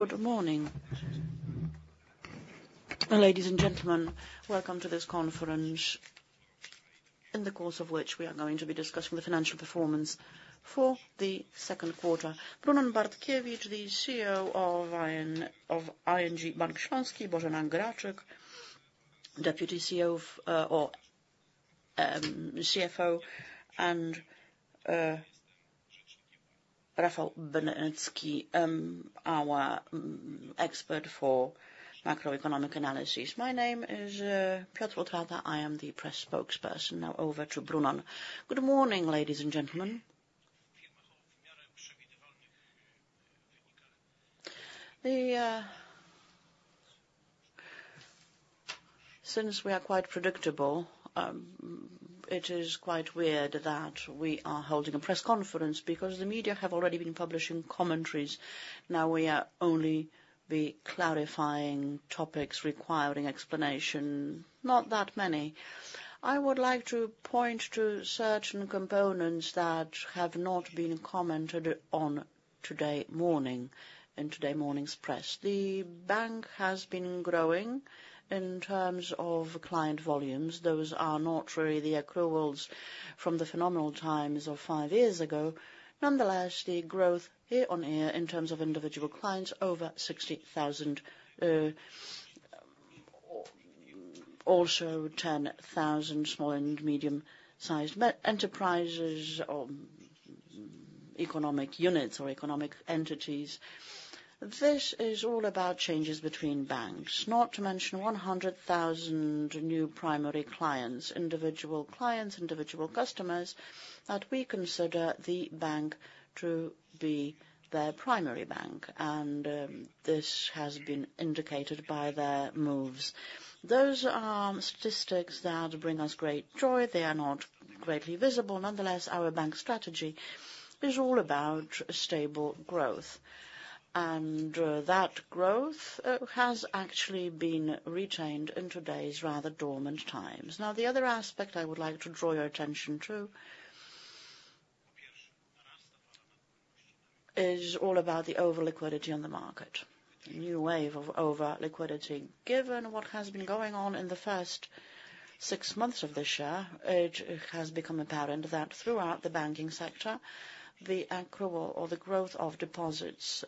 Good morning. Ladies and gentlemen, welcome to this conference, in the course of which we are going to be discussing the financial performance for the second quarter. Brunon Bartkiewicz, the CEO of ING Bank Śląski, Bożena Graczyk, Deputy CEO or CFO, and Rafał Benecki, our expert for macroeconomic analysis. My name is Piotr Utrata, I am the press spokesperson. Now over to Brunon. Good morning, ladies and gentlemen. Since we are quite predictable, it is quite weird that we are holding a press conference because the media have already been publishing commentaries. Now we are only clarifying topics requiring explanation, not that many. I would like to point to certain components that have not been commented on today morning, in today morning's press. The bank has been growing in terms of client volumes. Those are not really the accruals from the phenomenal times of five years ago. Nonetheless, the growth year-on-year in terms of individual clients over 60,000, or also 10,000 small and medium-sized enterprises or economic units or economic entities. This is all about changes between banks, not to mention 100,000 new primary clients, individual clients, individual customers, that we consider the bank to be their primary bank, and, this has been indicated by their moves. Those are statistics that bring us great joy. They are not greatly visible. Nonetheless, our bank strategy is all about stable growth, and, that growth, has actually been retained in today's rather dormant times. Now, the other aspect I would like to draw your attention to, is all about the over liquidity on the market, a new wave of over liquidity. Given what has been going on in the first six months of this year, it has become apparent that throughout the banking sector, the accrual or the growth of deposits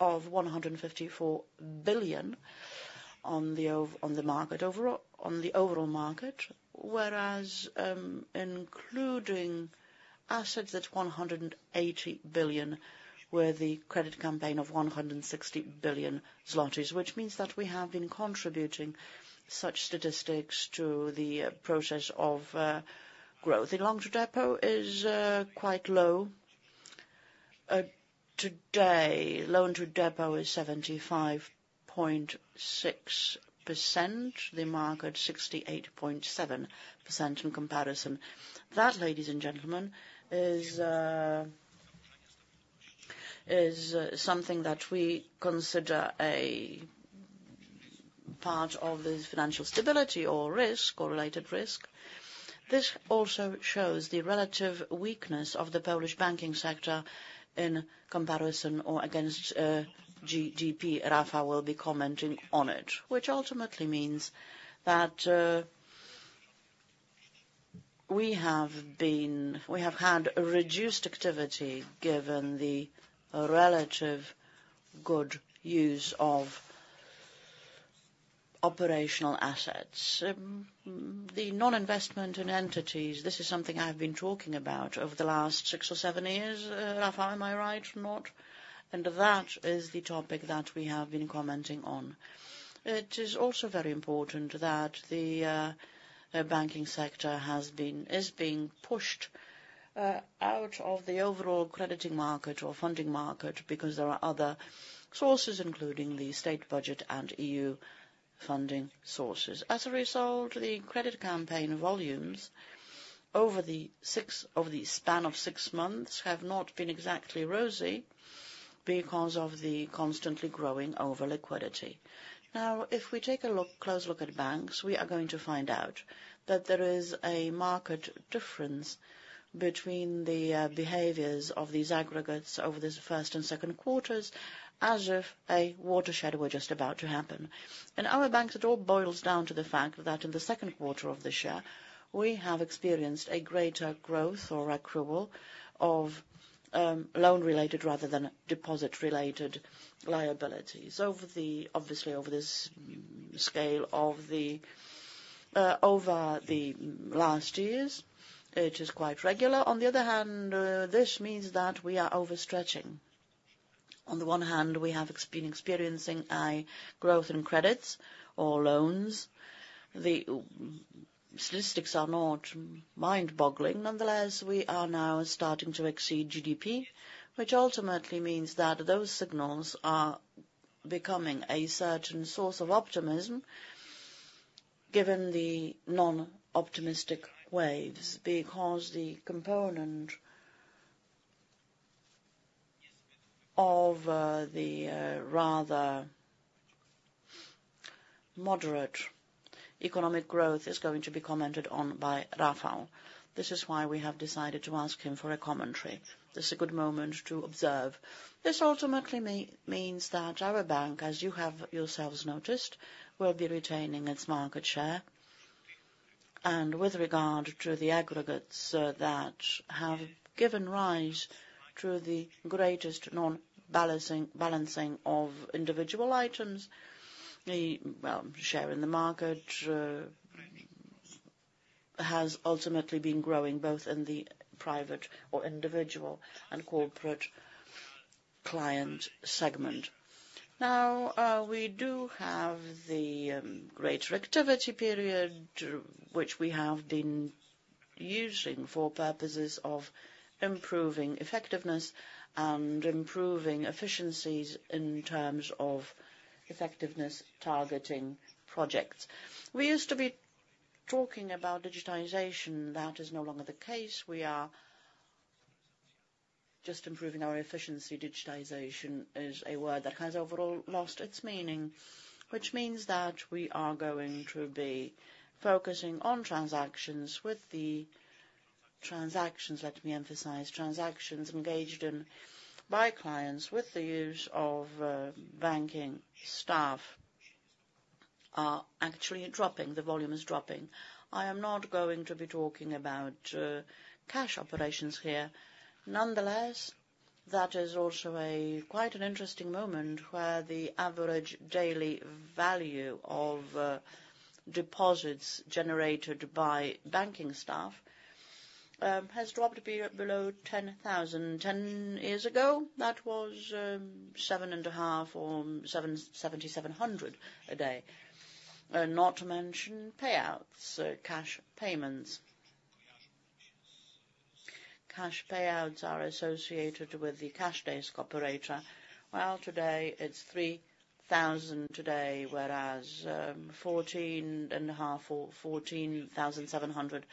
of 154 billion on the market overall, on the overall market. Whereas, including assets, that's 180 billion, where the credit campaign of 160 billion zlotys, which means that we have been contributing such statistics to the process of growth. The loan-to-deposit is quite low. Today, loan-to-deposit is 75.6%, the market 68.7% in comparison. That, ladies and gentlemen, is something that we consider a part of the financial stability or risk, correlated risk. This also shows the relative weakness of the Polish banking sector in comparison or against GDP. Rafał will be commenting on it, which ultimately means that we have had a reduced activity given the relative good use of operational assets. The non-investment in entities, this is something I've been talking about over the last six or seven years. Rafał, am I right or not? And that is the topic that we have been commenting on. It is also very important that the banking sector is being pushed out of the overall crediting market or funding market because there are other sources, including the state budget and EU funding sources. As a result, the credit campaign volumes over the span of six months have not been exactly rosy because of the constantly growing over liquidity. Now, if we take a look, close look at banks, we are going to find out that there is a marked difference between the behaviors of these aggregates over this first and second quarters, as if a watershed were just about to happen. In our banks, it all boils down to the fact that in the second quarter of this year, we have experienced a greater growth or accrual of loan-related rather than deposit-related liabilities. Obviously, over this scale of the over the last years, it is quite regular. On the other hand, this means that we are overstretching. On the one hand, we have been experiencing a growth in credits or loans. The statistics are not mind-boggling. Nonetheless, we are now starting to exceed GDP, which ultimately means that those signals are becoming a certain source of optimism given the non-optimistic waves, because the component of the moderate economic growth is going to be commented on by Rafał. This is why we have decided to ask him for a commentary. This is a good moment to observe. This ultimately means that our bank, as you have yourselves noticed, will be retaining its market share. And with regard to the aggregates that have given rise to the greatest non-balancing, balancing of individual items, the well, share in the market has ultimately been growing, both in the private or individual and corporate client segment. Now, we do have the greater activity period, which we have been using for purposes of improving effectiveness and improving efficiencies in terms of effectiveness targeting projects. We used to be talking about digitization, that is no longer the case. We are just improving our efficiency. Digitization is a word that has overall lost its meaning, which means that we are going to be focusing on transactions with the transactions, let me emphasize, transactions engaged in by clients with the use of banking staff are actually dropping, the volume is dropping. I am not going to be talking about cash operations here. Nonetheless, that is also quite an interesting moment, where the average daily value of deposits generated by banking staff has dropped below 10,000. 10 years ago, that was 7,500 or 7,700 a day. Not to mention payouts, cash payments. Cash payouts are associated with the cash-based operator. Well, today, it's 3,000 today, whereas 14,500 or 14,700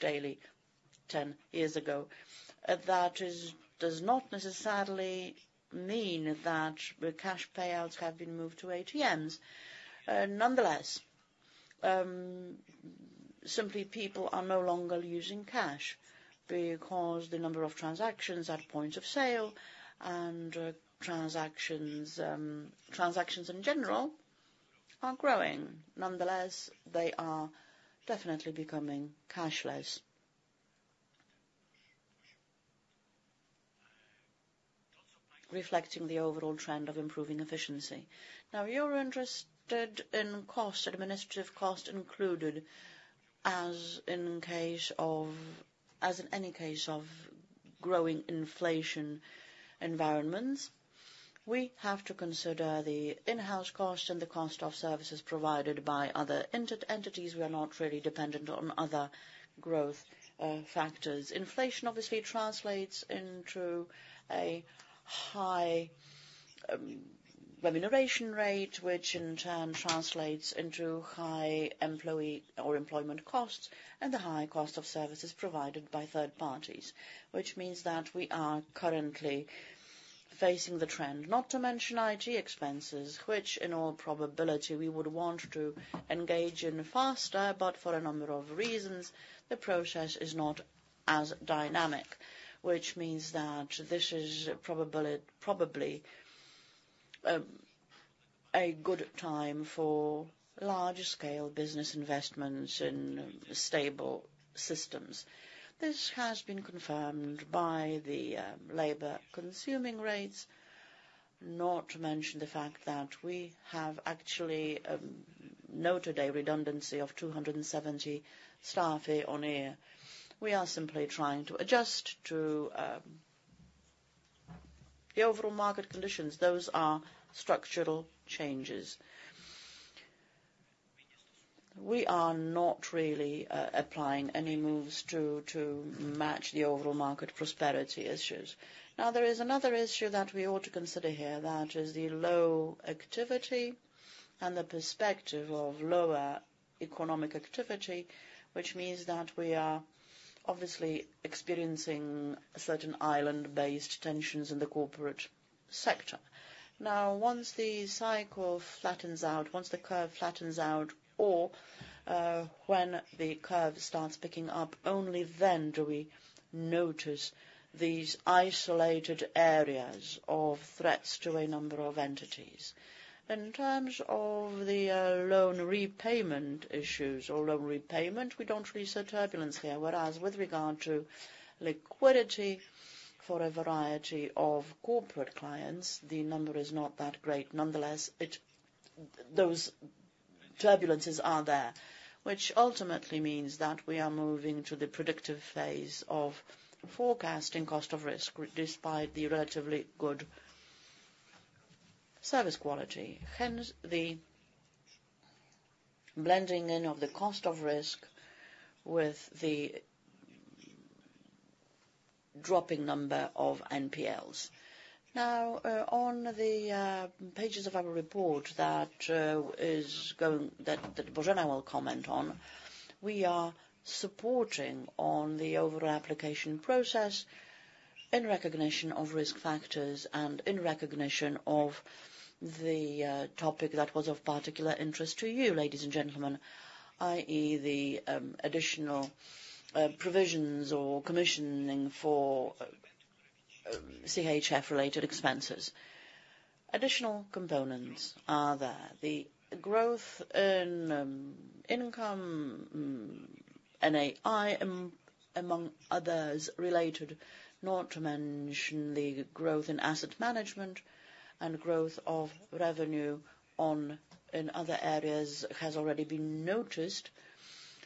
daily, 10 years ago. That does not necessarily mean that the cash payouts have been moved to ATMs. Nonetheless, simply, people are no longer using cash because the number of transactions at point of sale and transactions, transactions in general are growing. Nonetheless, they are definitely becoming cashless, reflecting the overall trend of improving efficiency. Now, you're interested in cost, administrative cost included, as in any case of growing inflation environments, we have to consider the in-house cost and the cost of services provided by other entities. We are not really dependent on other growth factors. Inflation obviously translates into a high remuneration rate, which in turn translates into high employee or employment costs, and the high cost of services provided by third parties, which means that we are currently facing the trend. Not to mention IT expenses, which in all probability, we would want to engage in faster, but for a number of reasons, the process is not as dynamic, which means that this is probably a good time for larger scale business investments in stable systems. This has been confirmed by the labor consuming rates, not to mention the fact that we have actually noted a redundancy of 270 staff here on here. We are simply trying to adjust to the overall market conditions. Those are structural changes. We are not really applying any moves to match the overall market prosperity issues. Now, there is another issue that we ought to consider here, that is the low activity and the perspective of lower economic activity, which means that we are obviously experiencing certain island-based tensions in the corporate sector. Now, once the cycle flattens out, once the curve flattens out, or, when the curve starts picking up, only then do we notice these isolated areas of threats to a number of entities. In terms of the loan repayment issues or loan repayment, we don't reach a turbulence here, whereas with regard to liquidity for a variety of corporate clients, the number is not that great. Nonetheless, those turbulences are there, which ultimately means that we are moving to the predictive phase of forecasting cost of risk, despite the relatively good service quality, hence, the blending in of the cost of risk with the dropping number of NPLs. Now, on the pages of our report that Bożena will comment on, we are supporting on the overall application process in recognition of risk factors and in recognition of the topic that was of particular interest to you, ladies and gentlemen, i.e., the additional provisions or commissioning for CHF-related expenses. Additional components are there. The growth in income, NII, among others, related, not to mention the growth in asset management and growth of revenue on, in other areas, has already been noticed.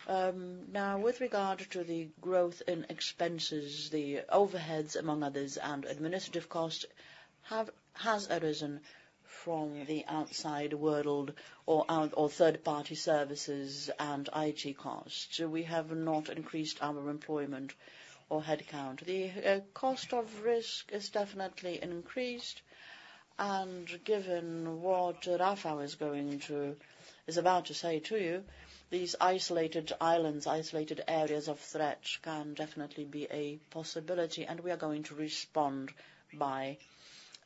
Now with regard to the growth in expenses, the overheads, among others, and administrative cost has arisen from the outside world or out, or third-party services and IT costs. So we have not increased our employment or headcount. The cost of risk is definitely increased, and given what Rafał is going to, is about to say to you, these isolated islands, isolated areas of threat can definitely be a possibility, and we are going to respond by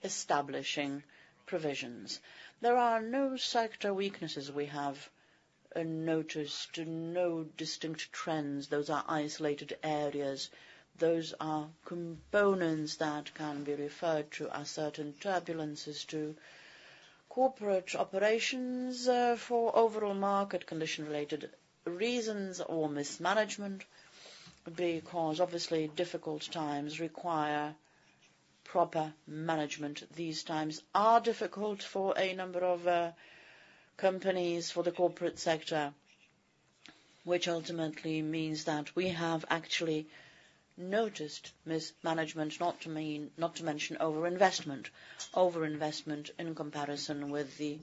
establishing provisions. There are no sector weaknesses we have noticed, no distinct trends. Those are isolated areas. Those are components that can be referred to as certain turbulences to corporate operations, for overall market condition-related reasons or mismanagement, because obviously, difficult times require proper management. These times are difficult for a number of companies for the corporate sector, which ultimately means that we have actually noticed mismanagement, not to mention overinvestment, overinvestment in comparison with the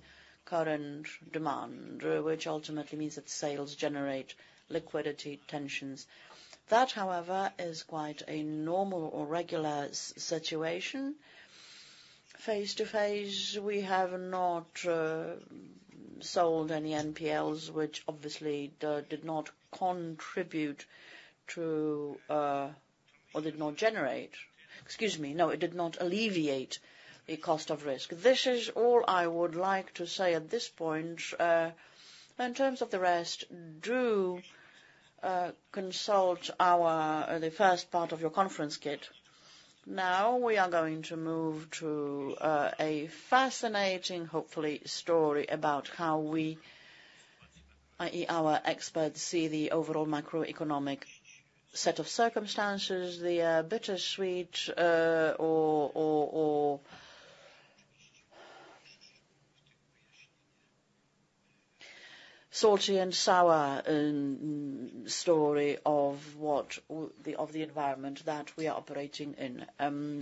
current demand, which ultimately means that sales generate liquidity tensions. That, however, is quite a normal or regular situation. Phase to phase, we have not sold any NPLs, which obviously did not contribute to or did not generate, excuse me, no, it did not alleviate the cost of risk. This is all I would like to say at this point. In terms of the rest, do consult our the first part of your conference kit. Now, we are going to move to a fascinating, hopefully, story about how we, i.e., our experts, see the overall macroeconomic set of circumstances, the bittersweet or salty and sour story of the environment that we are operating in.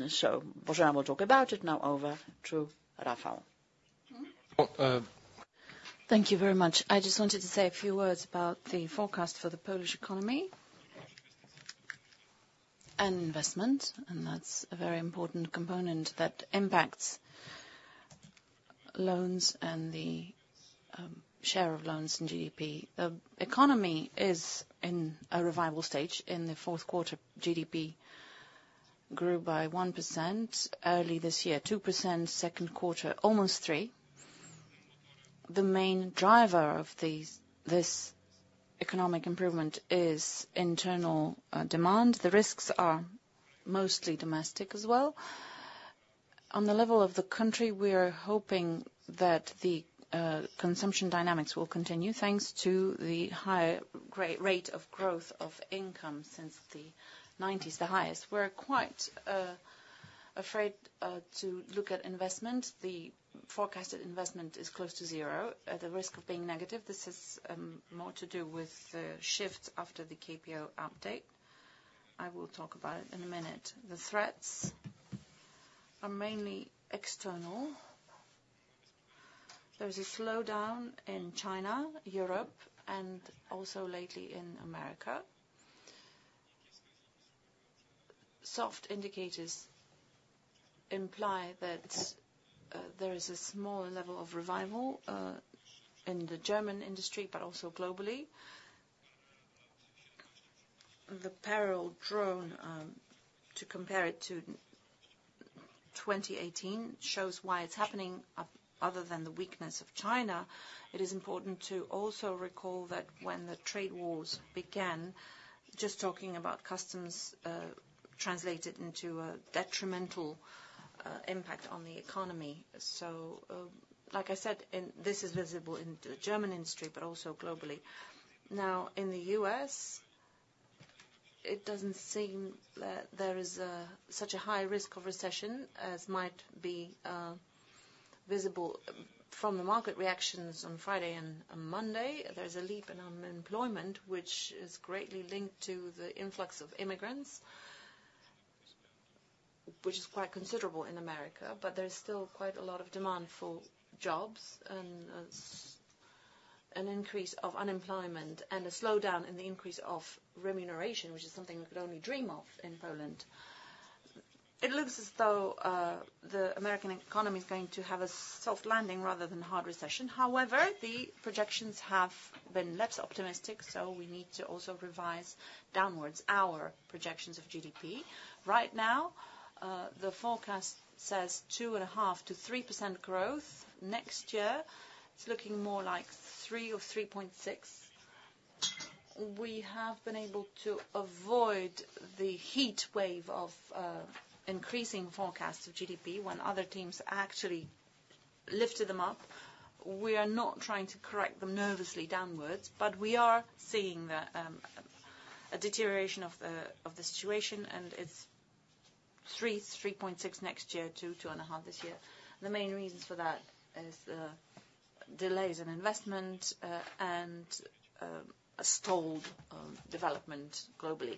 So Bożena will talk about it. Now over to Rafał. Well, thank you very much. I just wanted to say a few words about the forecast for the Polish economy and investment, and that's a very important component that impacts loans and the share of loans in GDP. The economy is in a revival stage. In the fourth quarter, GDP grew by 1%, early this year, 2%, second quarter, almost 3%. The main driver of this economic improvement is internal demand. The risks are mostly domestic as well. On the level of the country, we are hoping that the consumption dynamics will continue, thanks to the higher rate of growth of income since the 1990s, the highest. We're quite afraid to look at investment. The forecasted investment is close to zero, at the risk of being negative. This is more to do with the shift after the KPO update. I will talk about it in a minute. The threats are mainly external. There is a slowdown in China, Europe, and also lately in America. Soft indicators imply that, there is a small level of revival, in the German industry, but also globally. The parallel drawn, to compare it to 2018 shows why it's happening. Other than the weakness of China, it is important to also recall that when the trade wars began, just talking about customs, translated into a detrimental, impact on the economy. So, like I said, and this is visible in the German industry, but also globally. Now, in the U.S., it doesn't seem that there is a, such a high risk of recession as might be, visible. From the market reactions on Friday and on Monday, there's a leap in unemployment, which is greatly linked to the influx of immigrants, which is quite considerable in America, but there is still quite a lot of demand for jobs, and it's an increase of unemployment and a slowdown in the increase of remuneration, which is something we could only dream of in Poland. It looks as though the American economy is going to have a soft landing rather than a hard recession. However, the projections have been less optimistic, so we need to also revise downwards our projections of GDP. Right now, the forecast says 2.5%-3% growth. Next year, it's looking more like 3% or 3.6%. We have been able to avoid the heat wave of increasing forecasts of GDP when other teams actually lifted them up. We are not trying to correct them nervously downwards, but we are seeing a deterioration of the situation, and it's 3.6% next year to 2.5% this year. The main reasons for that is the delays in investment, and a stalled development globally.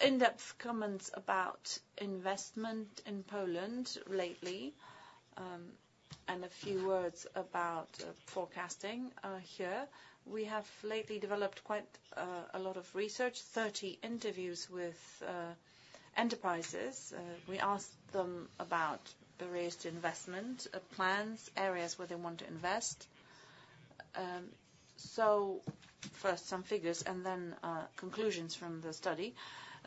In-depth comments about investment in Poland lately, and a few words about forecasting are here. We have lately developed quite a lot of research, 30 interviews with enterprises. We asked them about the raised investment plans, areas where they want to invest. So first, some figures, and then conclusions from the study.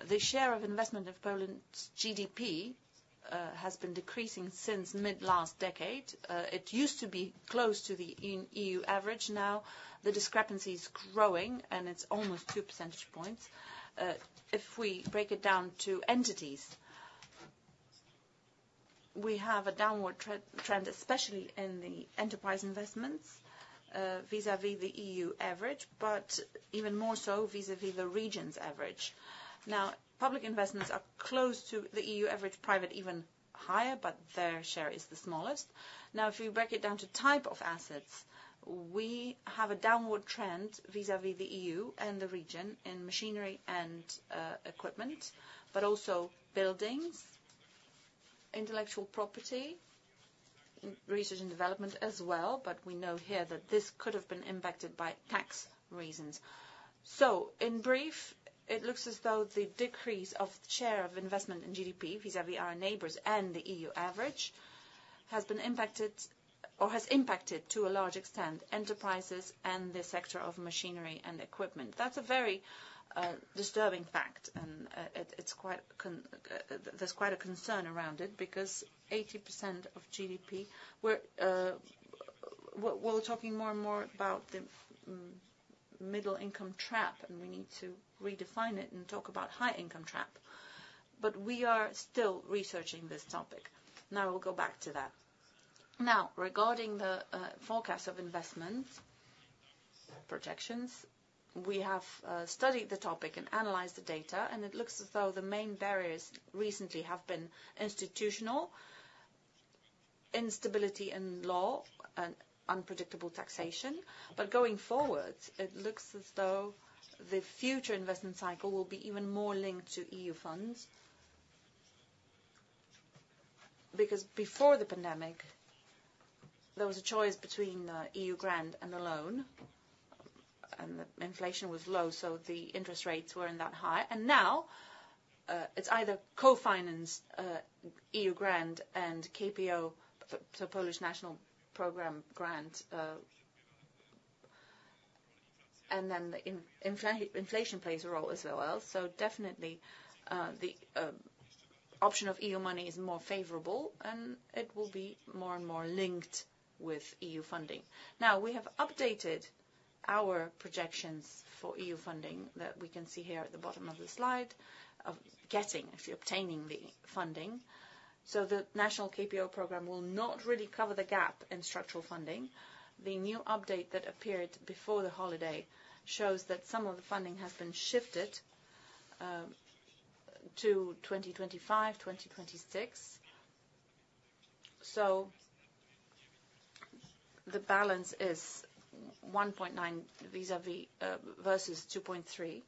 The share of investment of Poland's GDP has been decreasing since mid-last decade. It used to be close to the EU average. Now, the discrepancy is growing, and it's almost two percentage points. If we break it down to entities, we have a downward trend, especially in the enterprise investments, vis-à-vis the EU average, but even more so vis-à-vis the region's average. Now, public investments are close to the EU average, private even higher, but their share is the smallest. Now, if you break it down to type of assets, we have a downward trend vis-à-vis the EU and the region in machinery and equipment, but also buildings, intellectual property, research and development as well, but we know here that this could have been impacted by tax reasons. So in brief, it looks as though the decrease of the share of investment in GDP, vis-à-vis our neighbors and the EU average, has been impacted or has impacted, to a large extent, enterprises and the sector of machinery and equipment. That's a very disturbing fact, and there's quite a concern around it, because 80% of GDP, we're talking more and more about the middle-income trap, and we need to redefine it and talk about high-income trap, but we are still researching this topic. Now, we'll go back to that. Now, regarding the forecast of investments projections, we have studied the topic and analyzed the data, and it looks as though the main barriers recently have been institutional instability in law and unpredictable taxation. But going forward, it looks as though the future investment cycle will be even more linked to EU funds. Because before the pandemic, there was a choice between a EU grant and a loan, and the inflation was low, so the interest rates weren't that high. And now, it's either co-finance, EU grant, and KPO, so Polish National Program grant. And then the inflation plays a role as well. So definitely, the option of EU money is more favorable, and it will be more and more linked with EU funding. Now, we have updated our projections for EU funding that we can see here at the bottom of the slide, of getting, actually obtaining the funding. So the national KPO program will not really cover the gap in structural funding. The new update that appeared before the holiday shows that some of the funding has been shifted to 2025, 2026. So the balance is 1.9 vis-à-vis, versus 2.3.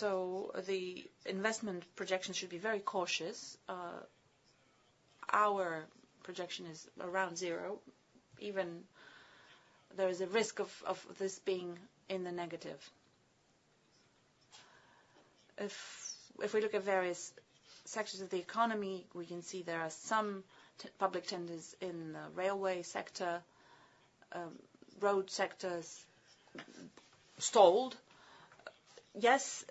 So the investment projection should be very cautious. Our projection is around zero. Even there is a risk of this being in the negative. If we look at various sections of the economy, we can see there are some public tenders in the railway sector, road sectors stalled. Yes,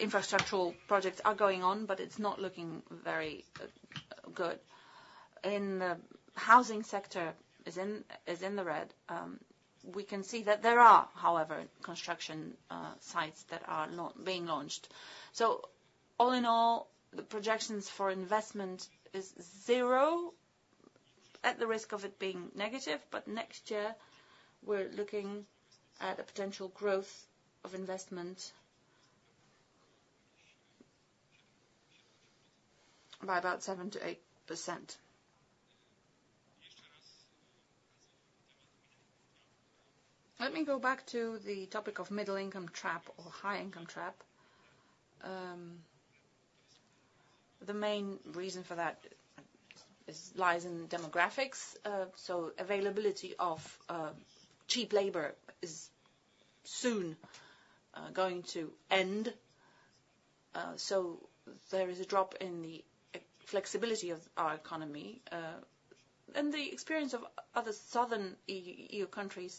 infrastructural projects are going on, but it's not looking very good. In the housing sector, is in the red. We can see that there are, however, construction sites that are not being launched. So all in all, the projections for investment is zero, at the risk of it being negative, but next year, we're looking at a potential growth of investment by about 7%-8%. Let me go back to the topic of middle-income trap or high-income trap. The main reason for that is, lies in demographics. So availability of cheap labor is soon going to end, so there is a drop in the flexibility of our economy. And the experience of other southern EU countries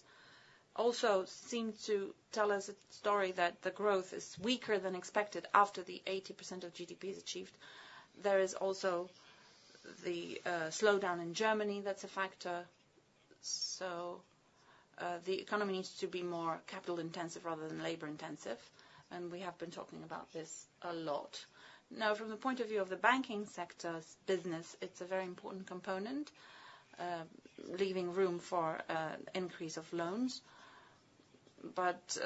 also seem to tell us a story that the growth is weaker than expected after the 80% of GDP is achieved. There is also the slowdown in Germany, that's a factor. So the economy needs to be more capital intensive rather than labor intensive, and we have been talking about this a lot. Now, from the point of view of the banking sector's business, it's a very important component, leaving room for increase of loans. But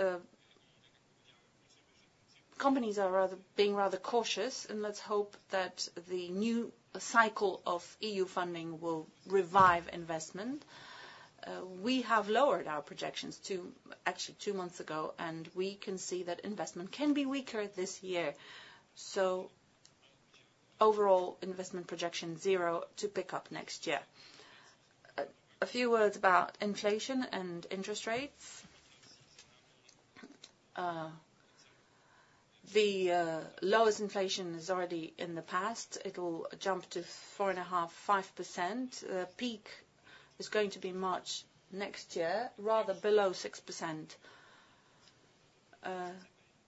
companies are rather cautious, and let's hope that the new cycle of EU funding will revive investment. We have lowered our projections actually two months ago, and we can see that investment can be weaker this year. So overall, investment projection zero to pick up next year. A few words about inflation and interest rates. The lowest inflation is already in the past. It'll jump to 4.5%-5%. The peak is going to be March next year, rather below 6%.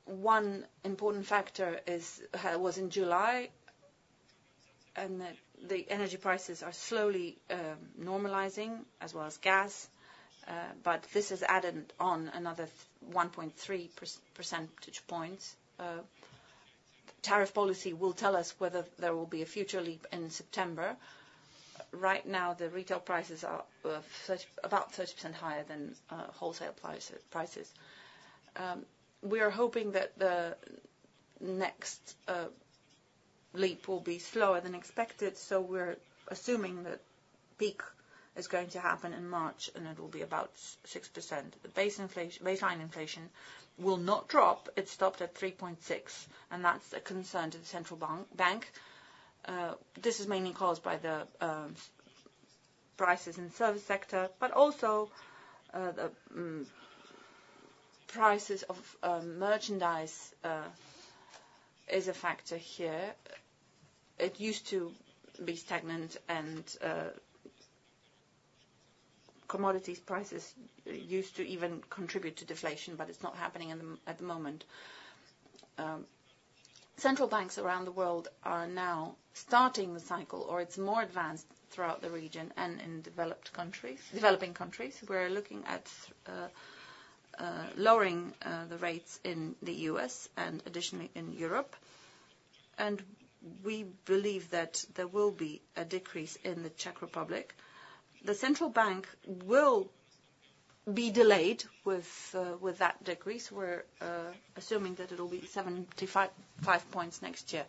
One important factor is, was in July, and the energy prices are slowly normalizing as well as gas, but this has added on another 1.3 percentage points. Tariff policy will tell us whether there will be a future leap in September. Right now, the retail prices are about 30% higher than wholesale prices. We are hoping that the next leap will be slower than expected, so we're assuming that peak is going to happen in March, and it will be about 6%. The baseline inflation will not drop. It stopped at 3.6%, and that's a concern to the central bank. This is mainly caused by the prices in the service sector, but also the prices of merchandise is a factor here. It used to be stagnant and commodities prices used to even contribute to deflation, but it's not happening at the moment. Central banks around the world are now starting the cycle, or it's more advanced throughout the region and in developed countries, developing countries. We're looking at lowering the rates in the U.S. and additionally in Europe, and we believe that there will be a decrease in the Czech Republic. The central bank will be delayed with that decrease. We're assuming that it'll be 75 points next year.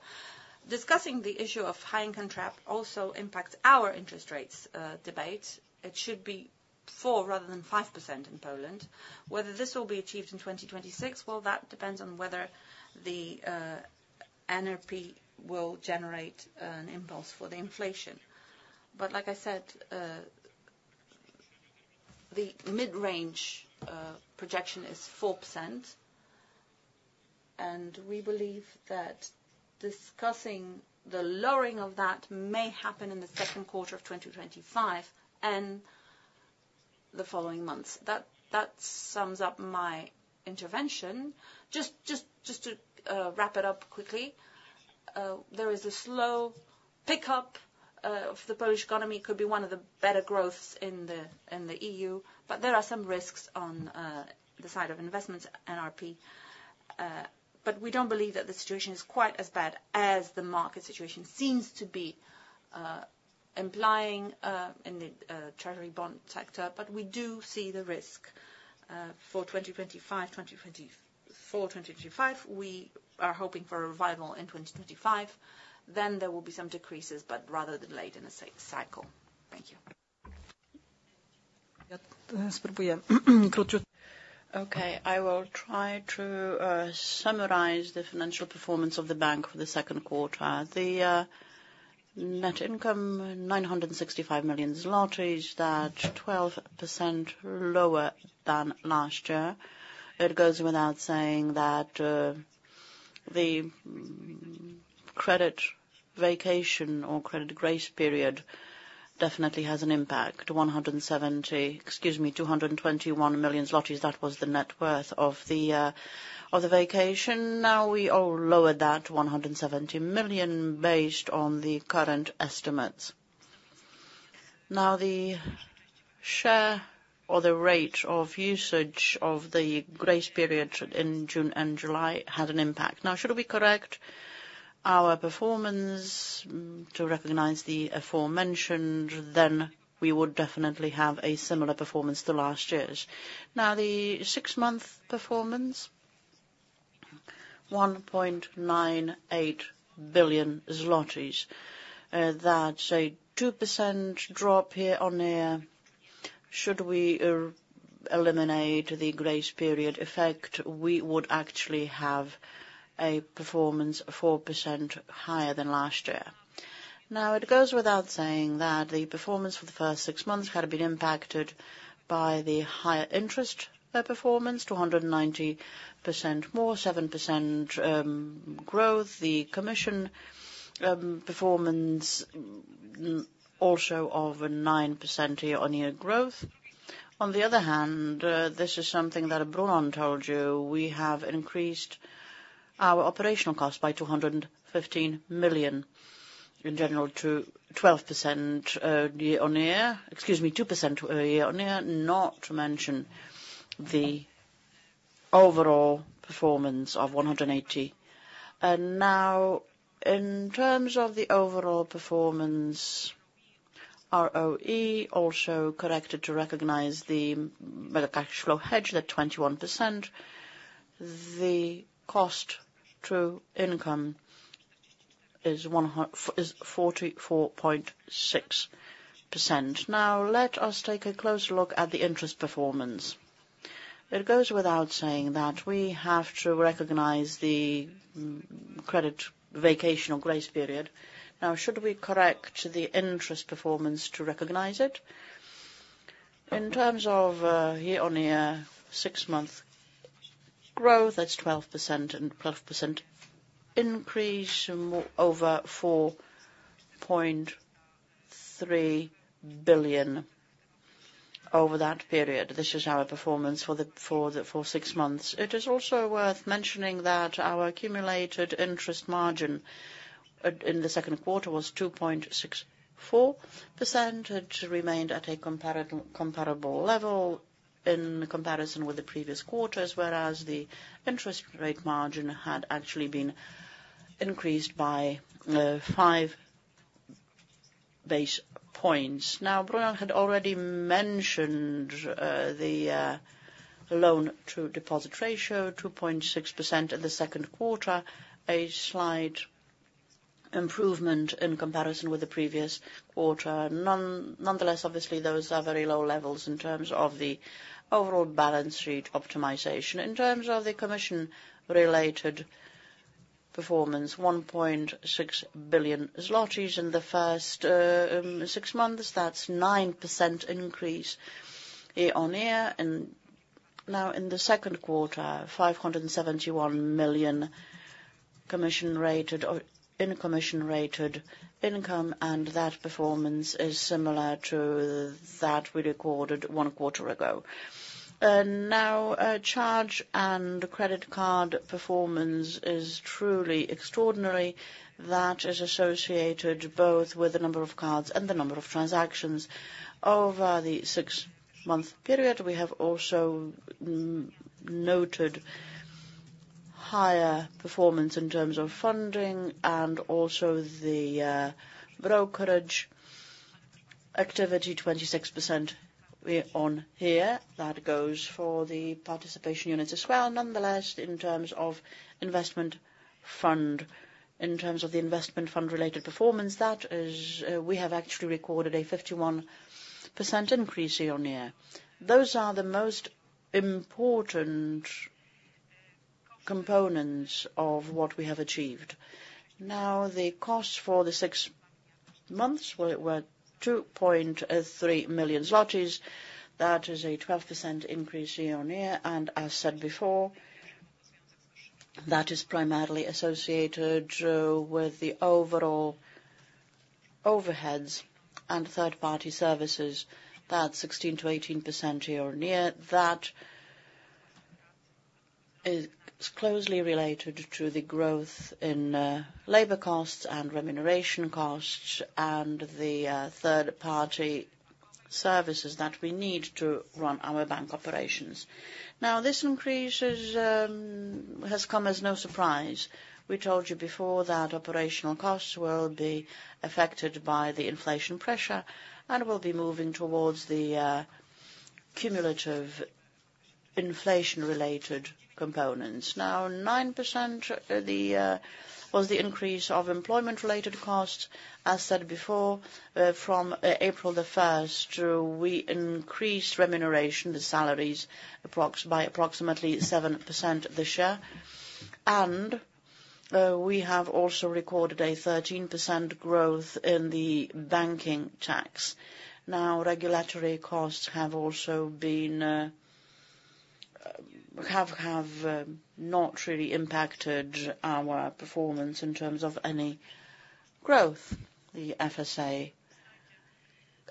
Discussing the issue of hiking trap also impacts our interest rates debate. It should be 4% rather than 5% in Poland. Whether this will be achieved in 2026, well, that depends on whether the NRP will generate an impulse for the inflation. But like I said, the mid-range projection is 4%, and we believe that discussing the lowering of that may happen in the second quarter of 2025 and the following months. That sums up my intervention. Just to wrap it up quickly, there is a slow pickup of the Polish economy, could be one of the better growths in the EU, but there are some risks on the side of investment NRP. But we don't believe that the situation is quite as bad as the market situation seems to be implying in the treasury bond sector. But we do see the risk for 2025. We are hoping for a revival in 2025. Then there will be some decreases, but rather than late in the cycle. Thank you. Okay, I will try to summarize the financial performance of the bank for the second quarter. The net income, 965 million zloty. That's 12% lower than last year. It goes without saying that the credit vacation or credit grace period definitely has an impact. 170 million, excuse me, 221 million zlotys, that was the net worth of the vacation. Now, we all lowered that to 170 million based on the current estimates. Now, the share or the rate of usage of the grace period in June and July had an impact. Now, should we correct our performance to recognize the aforementioned, then we would definitely have a similar performance to last year's. Now, the six-month performance, 1.98 billion zlotys. That's a 2% drop year-on-year. Should we eliminate the grace period effect, we would actually have a performance 4% higher than last year. Now, it goes without saying that the performance for the first six months had been impacted by the higher interest performance, 290% more, 7% growth. The commission performance also over 9% year-on-year growth. On the other hand, this is something that Brunon told you, we have increased our operational cost by 215 million, in general to 12% year-on-year. Excuse me, 2% year-on-year, not to mention the overall performance of 180. And now, in terms of the overall performance, ROE also corrected to recognize the cash flow hedge at 21%. The cost to income is 44.6%. Now, let us take a closer look at the interest performance. It goes without saying that we have to recognize the credit vacation or grace period. Now, should we correct the interest performance to recognize it? In terms of year-on-year six-month growth, that's 12%, and 12% increase over 4.3 billion over that period. This is our performance for the full six months. It is also worth mentioning that our accumulated interest margin in the second quarter was 2.64%. It remained at a comparable level in comparison with the previous quarters, whereas the interest rate margin had actually been increased by five basis points. Now, Brunon had already mentioned the loan-to-deposit ratio, 2.6% in the second quarter, a slight improvement in comparison with the previous quarter. No, nonetheless, obviously, those are very low levels in terms of the overall balance sheet optimization. In terms of the commission-related performance, 1.6 billion zlotys in the first six months. That's 9% increase year-on-year. And now, in the second quarter, 571 million commission-related income, and that performance is similar to that we recorded one quarter ago. And now, our charge and credit card performance is truly extraordinary. That is associated both with the number of cards and the number of transactions. Over the six-month period, we have also noted higher performance in terms of funding and also the brokerage activity, 26% year-on-year. That goes for the participation units as well. Nonetheless, in terms of investment fund, in terms of the investment fund-related performance, that is, we have actually recorded a 51% increase year-on-year. Those are the most important components of what we have achieved. Now, the costs for the six months were 2.3 million zlotys. That is a 12% increase year-on-year, and as said before, that is primarily associated with the overall overheads and third-party services. That's 16%-18% year-on-year. That is closely related to the growth in labor costs and remuneration costs, and the third-party services that we need to run our bank operations. Now, this increase has come as no surprise. We told you before that operational costs will be affected by the inflation pressure, and we'll be moving towards the cumulative inflation-related components. Now, 9%, was the increase of employment-related costs. As said before, from April 1, we increased remuneration, the salaries, approximately by approximately 7% this year. We have also recorded a 13% growth in the banking tax. Now, regulatory costs have also been not really impacted our performance in terms of any growth, the FSA,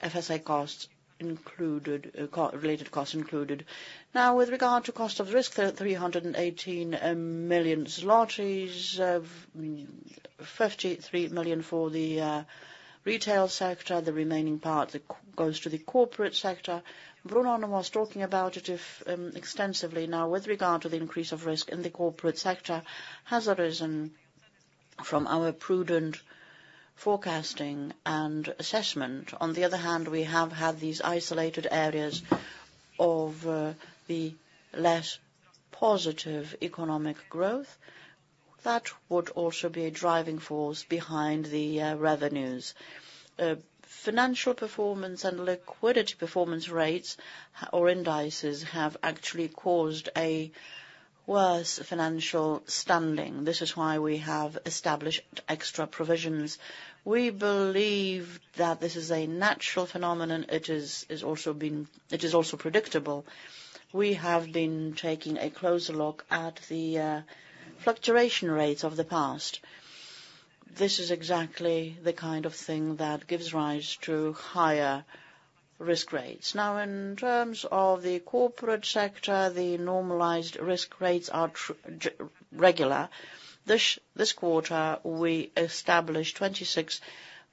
FSA costs included, correlated costs included. Now, with regard to cost of risk, they're at 318 million zlotys, 53 million for the retail sector. The remaining part, it goes to the corporate sector. Brunon was talking about it if extensively. Now, with regard to the increase of risk in the corporate sector, has arisen from our prudent forecasting and assessment. On the other hand, we have had these isolated areas of the less positive economic growth, that would also be a driving force behind the revenues. Financial performance and liquidity performance rates, or indices, have actually caused a worse financial standing. This is why we have established extra provisions. We believe that this is a natural phenomenon. It is also predictable. We have been taking a closer look at the fluctuation rates of the past. This is exactly the kind of thing that gives rise to higher risk rates. Now, in terms of the corporate sector, the normalized risk rates are truly regular. This quarter, we established 26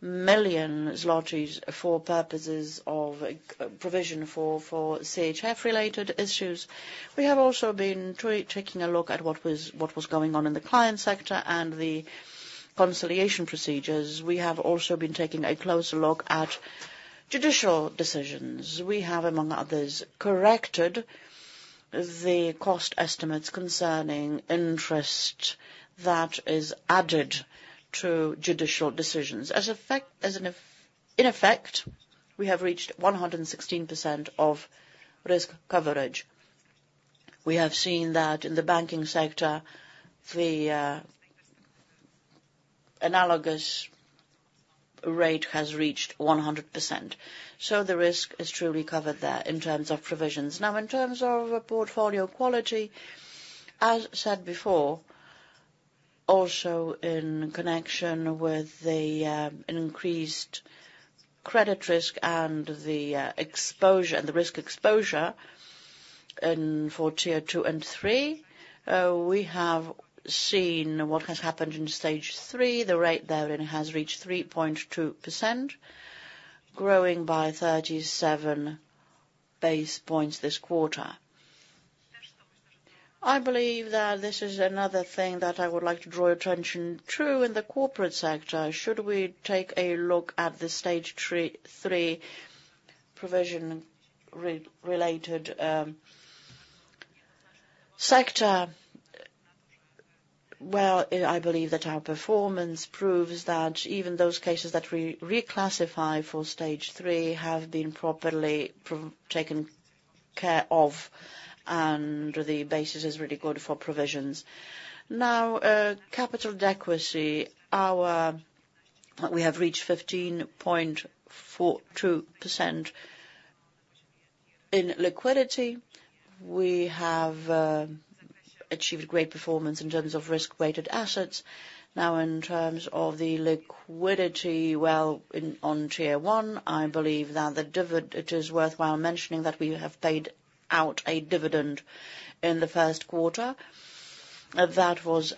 million zlotys for purposes of provision for CHF-related issues. We have also been taking a look at what was going on in the client sector and the consolidation procedures. We have also been taking a closer look at judicial decisions. We have, among others, corrected the cost estimates concerning interest that is added to judicial decisions. In effect, we have reached 116% of risk coverage. We have seen that in the banking sector, the analogous rate has reached 100%, so the risk is truly covered there in terms of provisions. Now, in terms of portfolio quality, as said before, also in connection with an increased credit risk and the exposure, the risk exposure in for Tier 2 Tier 3, we have seen what has happened in Stage 3. The rate there has reached 3.2%, growing by 37 basis points this quarter. I believe that this is another thing that I would like to draw your attention. True, in the corporate sector, should we take a look at the Stage 3 provision-related sector, well, I believe that our performance proves that even those cases that we reclassify for Stage 3 have been properly taken care of, and the basis is really good for provisions. Now, capital adequacy. We have reached 15.42%. In liquidity, we have achieved great performance in terms of risk-weighted assets. Now, in terms of the liquidity, well, in, on Tier 1, I believe that the dividend, it is worthwhile mentioning that we have paid out a dividend in the first quarter. That was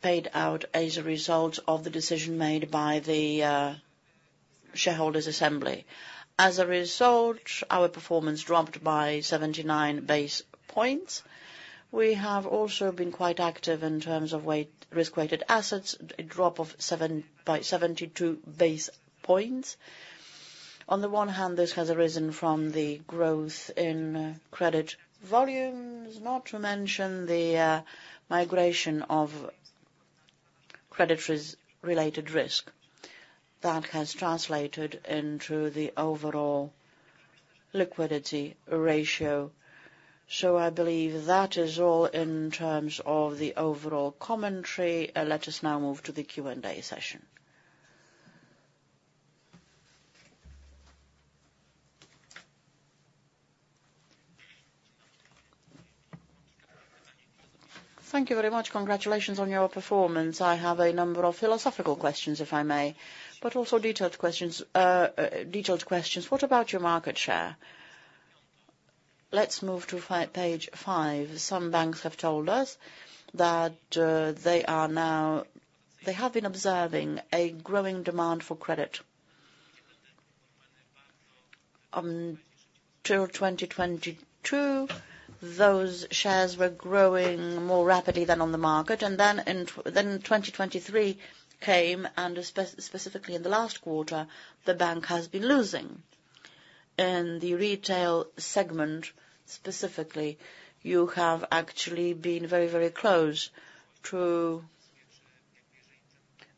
paid out as a result of the decision made by the shareholders' assembly. As a result, our performance dropped by 79 basis points. We have also been quite active in terms of RWA, risk-weighted assets, a drop of 7 by 72 basis points. On the one hand, this has arisen from the growth in credit volumes, not to mention the migration of credit-related risk that has translated into the overall liquidity ratio. So I believe that is all in terms of the overall commentary. Let us now move to the Q&A session. Thank you very much. Congratulations on your performance. I have a number of philosophical questions, if I may, but also detailed questions. Detailed questions: what about your market share? Let's move to page five. Some banks have told us that they are now, they have been observing a growing demand for credit. Till 2022, those shares were growing more rapidly than on the market, and then in 2023 came, and specifically in the last quarter, the bank has been losing. In the retail segment, specifically, you have actually been very, very close to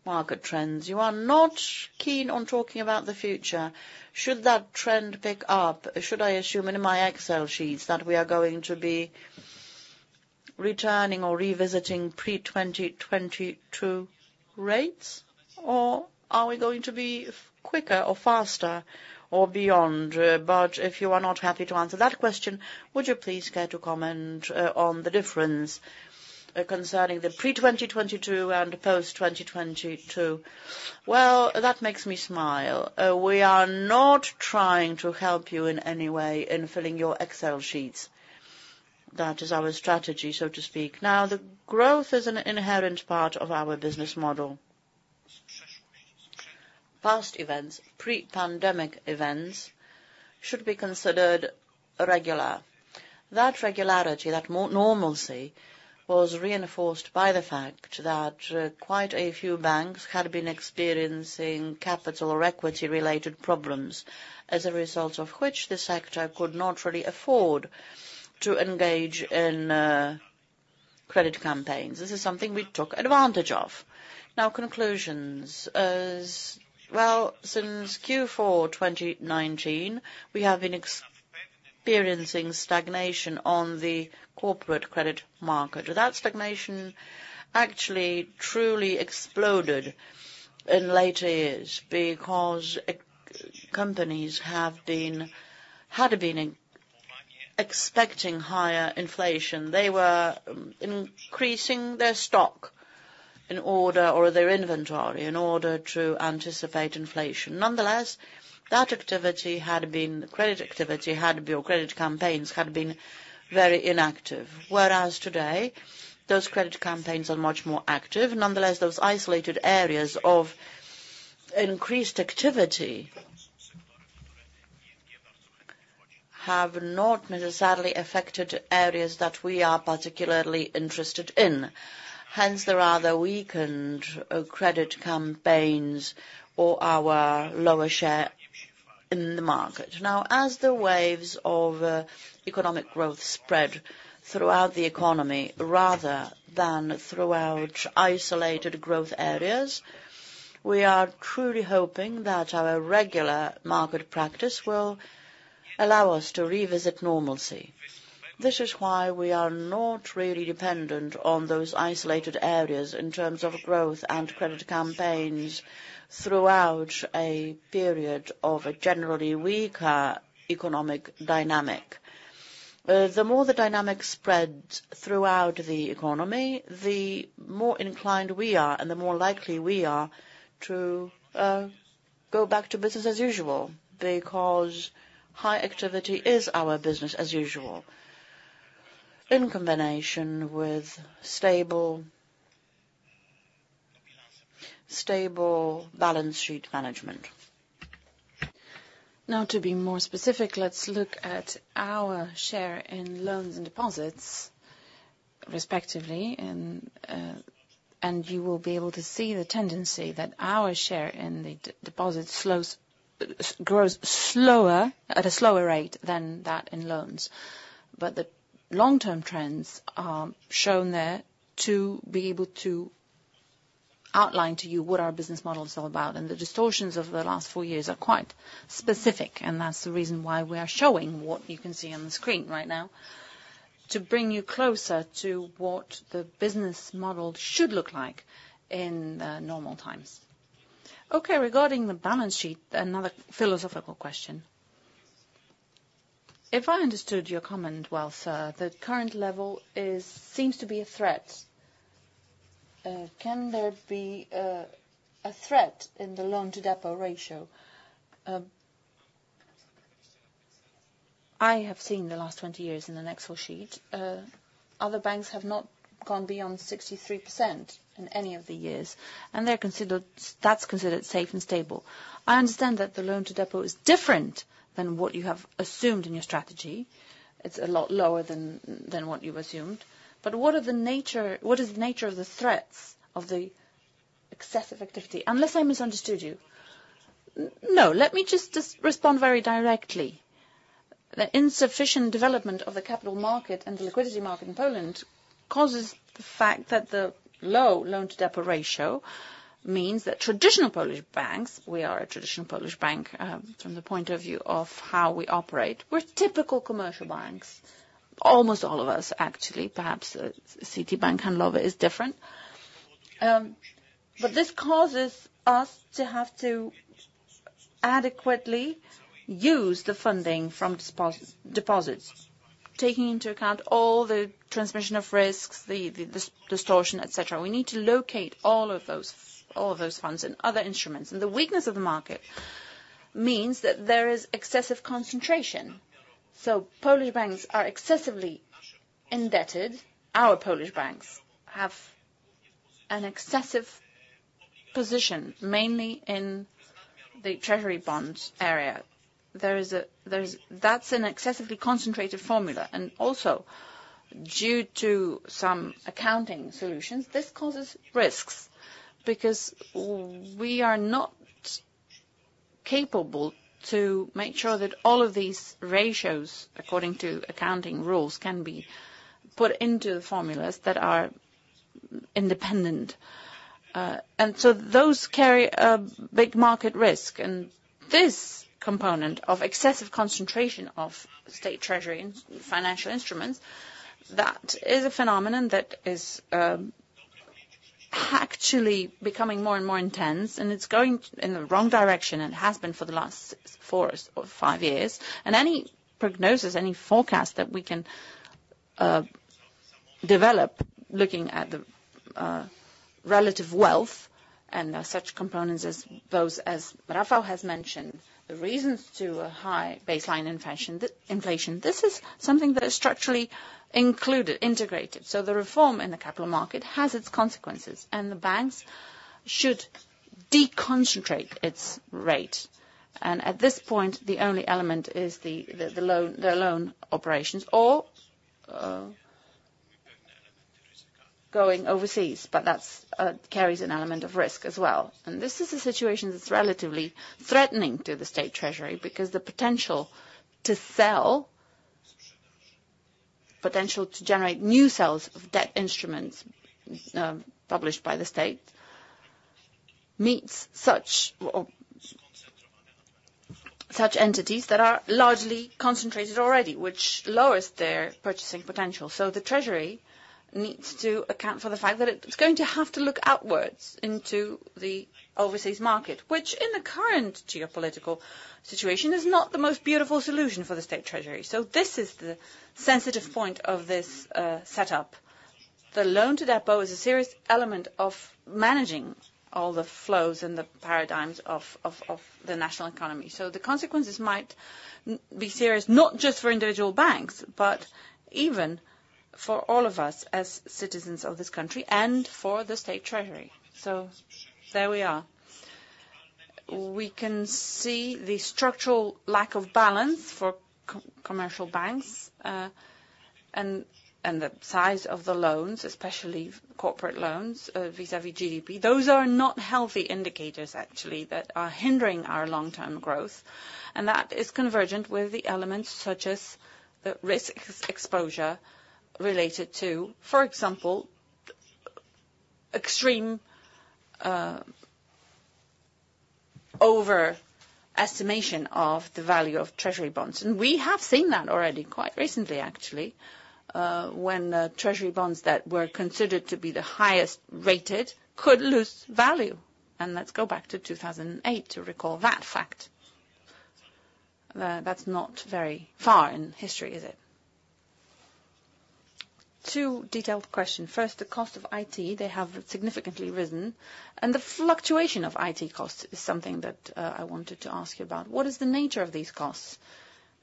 market trends. You are not keen on talking about the future. Should that trend pick up, should I assume in my Excel sheets that we are going to be returning or revisiting pre-2022 rates, or are we going to be quicker or faster or beyond? But if you are not happy to answer that question, would you please care to comment on the difference concerning the pre-2022 and post-2022? Well, that makes me smile. We are not trying to help you in any way in filling your Excel sheets. That is our strategy, so to speak. Now, the growth is an inherent part of our business model. Past events, pre-pandemic events, should be considered regular. That regularity, that more normalcy, was reinforced by the fact that quite a few banks had been experiencing capital or equity-related problems, as a result of which the sector could not really afford to engage in credit campaigns. This is something we took advantage of. Now, conclusions. As well, since Q4 2019, we have been experiencing stagnation on the corporate credit market. That stagnation actually truly exploded in later years because companies had been expecting higher inflation. They were increasing their stock, in order, or their inventory, in order to anticipate inflation. Nonetheless, that credit activity or credit campaigns had been very inactive, whereas today, those credit campaigns are much more active. Nonetheless, those isolated areas of increased activity have not necessarily affected areas that we are particularly interested in, hence the rather weakened credit campaigns or our lower share in the market. Now, as the waves of economic growth spread throughout the economy rather than throughout isolated growth areas, we are truly hoping that our regular market practice will allow us to revisit normalcy. This is why we are not really dependent on those isolated areas in terms of growth and credit campaigns throughout a period of a generally weaker economic dynamic. The more the dynamic spreads throughout the economy, the more inclined we are, and the more likely we are to go back to business as usual, because high activity is our business as usual, in combination with stable, stable balance sheet management. Now, to be more specific, let's look at our share in loans and deposits, respectively, and you will be able to see the tendency that our share in the deposits grows slower, at a slower rate than that in loans. But the long-term trends are shown there to be able to outline to you what our business model is all about, and the distortions of the last four years are quite specific, and that's the reason why we are showing what you can see on the screen right now, to bring you closer to what the business model should look like in normal times. Okay, regarding the balance sheet, another philosophical question. If I understood your comment well, sir, the current level seems to be a threat. Can there be a threat in the loan-to-depo ratio? I have seen the last 20 years in the Nexo sheet, other banks have not gone beyond 63% in any of the years, and they're considered that's considered safe and stable. I understand that the loan-to-depo is different than what you have assumed in your strategy. It's a lot lower than what you assumed. But what are the nature, what is the nature of the threats of the excessive activity? Unless I misunderstood you. No, let me just respond very directly. The insufficient development of the capital market and the liquidity market in Poland causes the fact that the low loan-to-depo ratio means that traditional Polish banks, we are a traditional Polish bank, from the point of view of how we operate. We're typical commercial banks, almost all of us, actually, perhaps, Citibank Handlowy is different. But this causes us to have to adequately use the funding from deposits, taking into account all the transmission of risks, the distortion, et cetera. We need to locate all of those funds in other instruments. And the weakness of the market means that there is excessive concentration. So Polish banks are excessively indebted. Our Polish banks have an excessive position, mainly in the treasury bonds area. There is, that's an excessively concentrated formula, and also, due to some accounting solutions, this causes risks, because we are not capable to make sure that all of these ratios, according to accounting rules, can be put into the formulas that are independent. And so those carry a big market risk, and this component of excessive concentration of state treasury and financial instruments, that is a phenomenon that is, actually becoming more and more intense, and it's going in the wrong direction, and has been for the last four or five years. And any prognosis, any forecast that we can, develop, looking at the, relative wealth and such components as those, as Rafał has mentioned, the reasons to a high baseline inflation, inflation, this is something that is structurally included, integrated. So the reform in the capital market has its consequences, and the banks should deconcentrate its rate, and at this point, the only element is the loan operations, or, going overseas, but that's, carries an element of risk as well. This is a situation that's relatively threatening to the state treasury, because the potential to sell, potential to generate new sales of debt instruments, published by the state, meets such entities that are largely concentrated already, which lowers their purchasing potential. So the treasury needs to account for the fact that it's going to have to look outwards into the overseas market, which in the current geopolitical situation, is not the most beautiful solution for the state treasury. So this is the sensitive point of this setup. The loan-to-deposit is a serious element of managing all the flows and the paradigms of the national economy. So the consequences might be serious, not just for individual banks, but even for all of us as citizens of this country and for the state treasury. So there we are. We can see the structural lack of balance for commercial banks and the size of the loans, especially corporate loans vis-à-vis GDP. Those are not healthy indicators, actually, that are hindering our long-term growth, and that is convergent with the elements such as the risk exposure related to, for example, extreme overestimation of the value of treasury bonds. And we have seen that already, quite recently, actually, when treasury bonds that were considered to be the highest rated could lose value. And let's go back to 2008 to recall that fact. That's not very far in history, is it? Two detailed questions. First, the cost of IT, they have significantly risen, and the fluctuation of IT costs is something that I wanted to ask you about. What is the nature of these costs?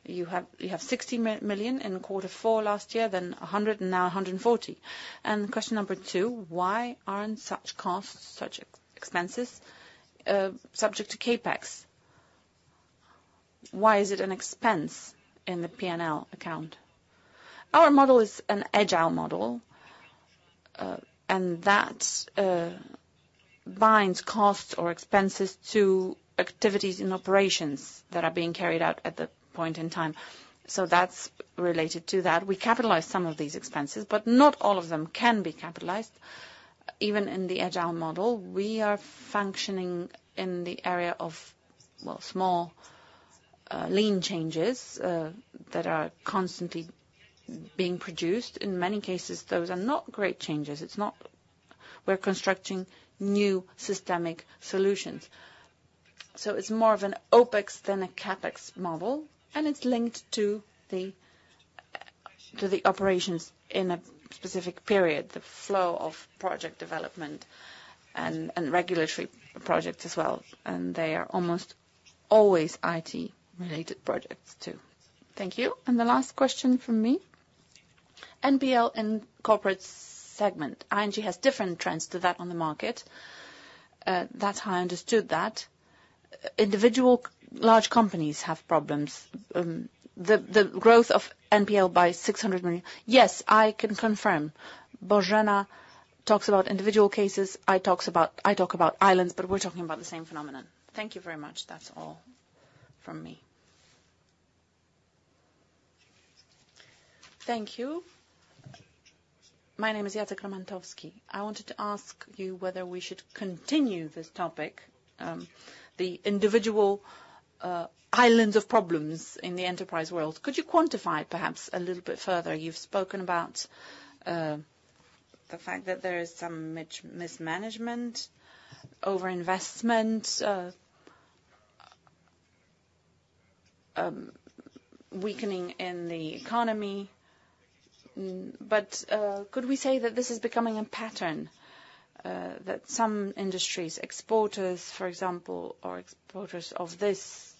You have, you have 60 million in quarter four last year, then 100 million, and now 140 million. And question number two, why aren't such costs, such expenses, subject to CapEx? Why is it an expense in the P&L account? Our model is an agile model, and that binds costs or expenses to activities in operations that are being carried out at that point in time. So that's related to that. We capitalize some of these expenses, but not all of them can be capitalized. Even in the agile model, we are functioning in the area of, well, small, lean changes that are constantly being produced. In many cases, those are not great changes. It's not we're constructing new systemic solutions. So it's more of an OpEx than a CapEx model, and it's linked to the, to the operations in a specific period, the flow of project development and, and regulatory projects as well, and they are almost always IT-related projects, too. Thank you. And the last question from me, NPL in corporate segment, ING has different trends to that on the market, that's how I understood that. Individual large companies have problems. The growth of NPL by 600 million. Yes, I can confirm. Bożena talks about individual cases, I talks about. I talk about islands, but we're talking about the same phenomenon. Thank you very much. That's all from me. Thank you. My name is Jacek Ramotowski. I wanted to ask you whether we should continue this topic, the individual, islands of problems in the enterprise world. Could you quantify perhaps a little bit further? You've spoken about the fact that there is some mismanagement, overinvestment, weakening in the economy, but could we say that this is becoming a pattern that some industries, exporters, for example, or exporters of this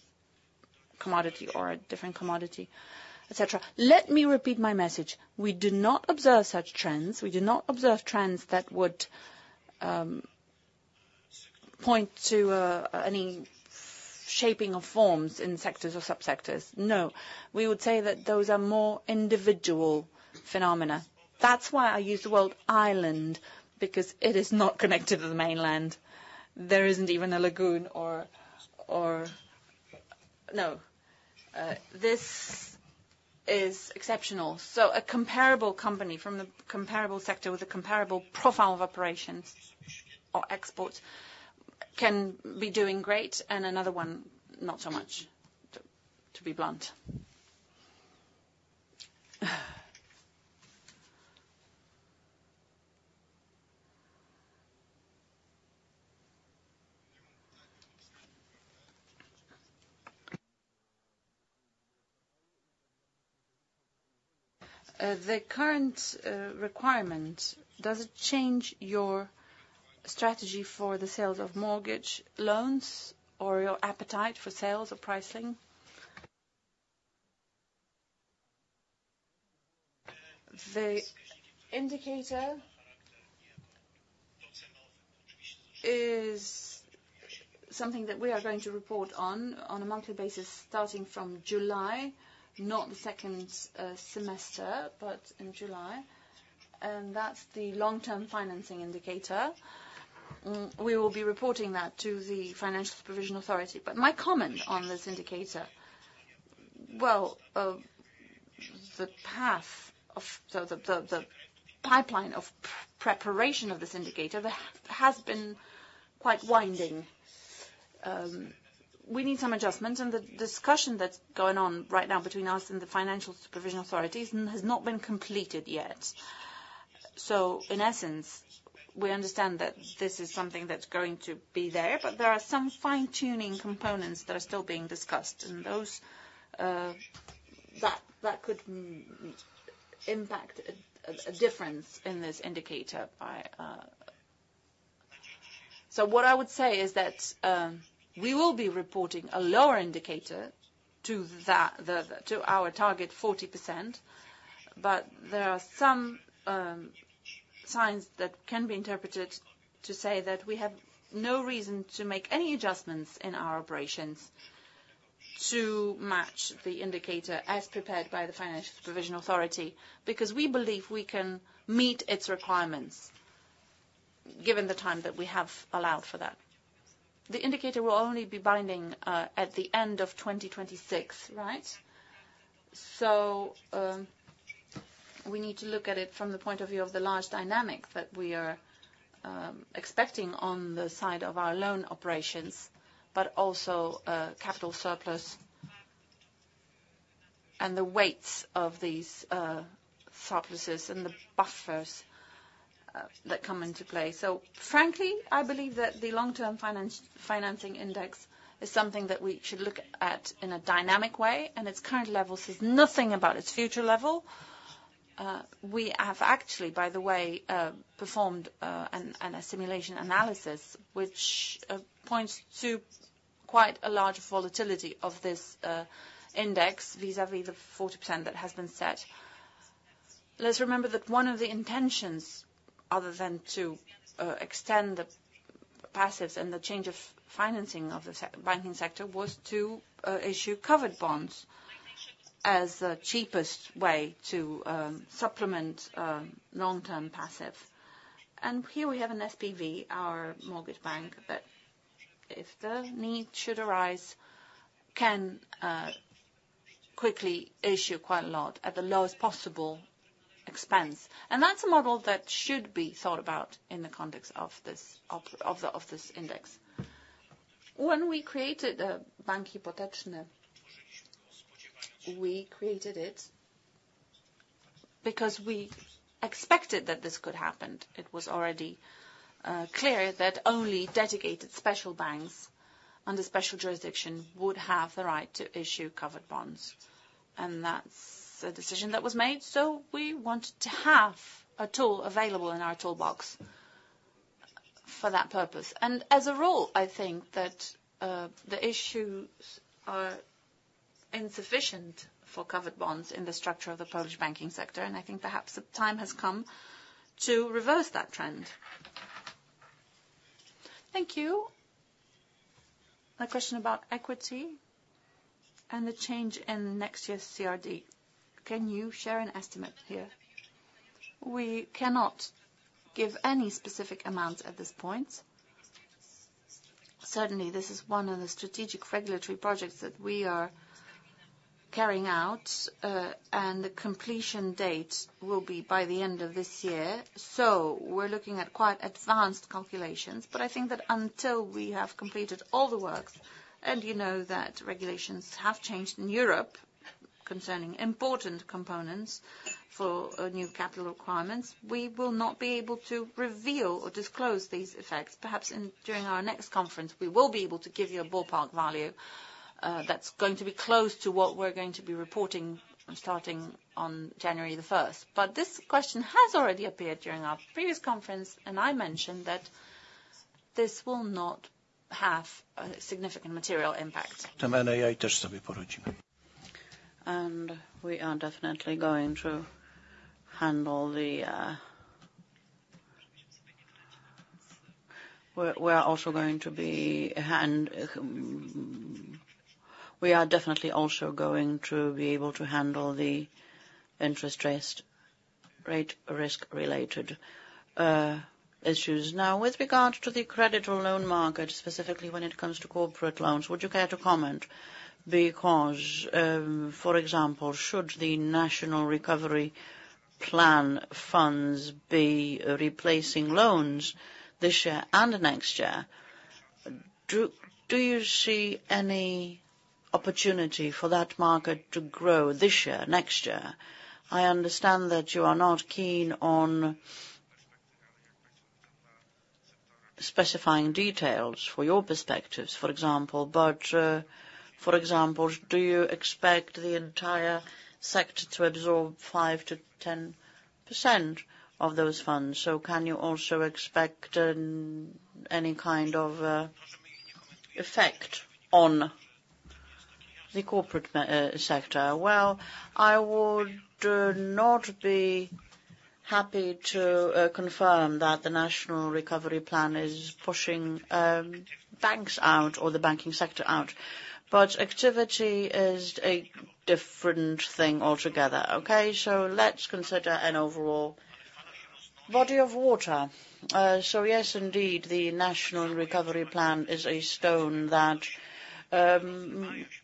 commodity or a different commodity, et cetera? Let me repeat my message. We do not observe such trends. We do not observe trends that would point to any shaping of forms in sectors or sub-sectors. No, we would say that those are more individual phenomena. That's why I use the word island, because it is not connected to the mainland. There isn't even a lagoon. No, this is exceptional. So a comparable company from the comparable sector with a comparable profile of operations or exports can be doing great, and another one, not so much, to be blunt. The current requirement, does it change your strategy for the sales of mortgage loans or your appetite for sales or pricing? The indicator is something that we are going to report on a monthly basis, starting from July, not the second semester, but in July, and that's the long-term financing indicator. We will be reporting that to the Financial Supervision Authority. But my comment on this indicator, well, the path of the preparation of this indicator has been quite winding. We need some adjustments, and the discussion that's going on right now between us and the Financial Supervision Authorities has not been completed yet. So in essence, we understand that this is something that's going to be there, but there are some fine-tuning components that are still being discussed, and those could impact a difference in this indicator by. So what I would say is that we will be reporting a lower indicator to the to our target 40%, but there are some signs that can be interpreted to say that we have no reason to make any adjustments in our operations to match the indicator as prepared by the Financial Supervision Authority, because we believe we can meet its requirements given the time that we have allowed for that. The indicator will only be binding at the end of 2026, right? So, we need to look at it from the point of view of the large dynamic that we are expecting on the side of our loan operations, but also, capital surplus, and the weights of these surpluses and the buffers that come into play. So frankly, I believe that the long-term financing index is something that we should look at in a dynamic way, and its current level says nothing about its future level. We have actually, by the way, performed an assimilation analysis, which points to quite a large volatility of this index vis-à-vis the 40% that has been set. Let's remember that one of the intentions, other than to extend the passives and the change of financing of the banking sector, was to issue covered bonds as the cheapest way to supplement long-term passive. And here we have an SPV, our mortgage bank, that if the need should arise, can quickly issue quite a lot at the lowest possible expense. And that's a model that should be thought about in the context of this index. When we created Bank Hipoteczny, we created it because we expected that this could happen. It was already clear that only dedicated special banks under special jurisdiction would have the right to issue covered bonds, and that's the decision that was made, so we wanted to have a tool available in our toolbox for that purpose. As a rule, I think that the issuances are insufficient for covered bonds in the structure of the Polish banking sector, and I think perhaps the time has come to reverse that trend. Thank you. A question about equity and the change in next year's CRD. Can you share an estimate here? We cannot give any specific amount at this point. Certainly, this is one of the strategic regulatory projects that we are carrying out, and the completion date will be by the end of this year. So we're looking at quite advanced calculations, but I think that until we have completed all the works, and you know that regulations have changed in Europe concerning important components for new capital requirements, we will not be able to reveal or disclose these effects. Perhaps during our next conference, we will be able to give you a ballpark value, that's going to be close to what we're going to be reporting, starting on January the 1st. But this question has already appeared during our previous conference, and I mentioned that this will not have a significant material impact. And we are definitely going to handle the. We are also going to be able to handle the interest rate risk-related issues. Now, with regard to the credit or loan market, specifically when it comes to corporate loans, would you care to comment? Because, for example, should the National Recovery Plan funds be replacing loans this year and next year, do you see any opportunity for that market to grow this year, next year? I understand that you are not keen on specifying details for your perspectives, for example, but, for example, do you expect the entire sector to absorb 5%-10% of those funds? So can you also expect any kind of effect on the corporate sector. Well, I would not be happy to confirm that the National Recovery Plan is pushing banks out or the banking sector out, but activity is a different thing altogether, okay? So let's consider an overall body of water. So yes, indeed, the National Recovery Plan is a stone that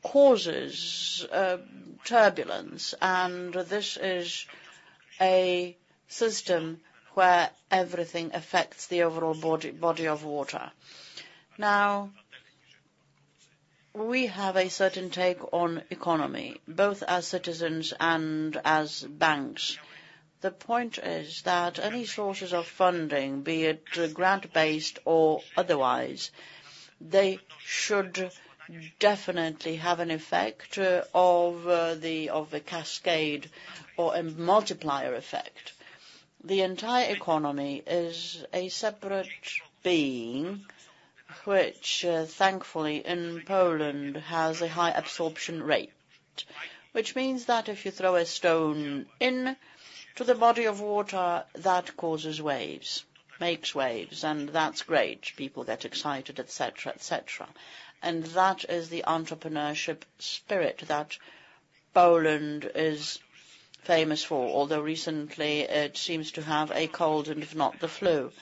causes turbulence, and this is a system where everything affects the overall body of water. Now, we have a certain take on economy, both as citizens and as banks. The point is that any sources of funding, be it grant-based or otherwise, they should definitely have an effect of a cascade or a multiplier effect. The entire economy is a separate being, which, thankfully, in Poland, has a high absorption rate. Which means that if you throw a stone into the body of water, that causes waves, makes waves, and that's great. People get excited, et cetera, et cetera. And that is the entrepreneurship spirit that Poland is famous for, although recently, it seems to have a cold, and if not, the flu.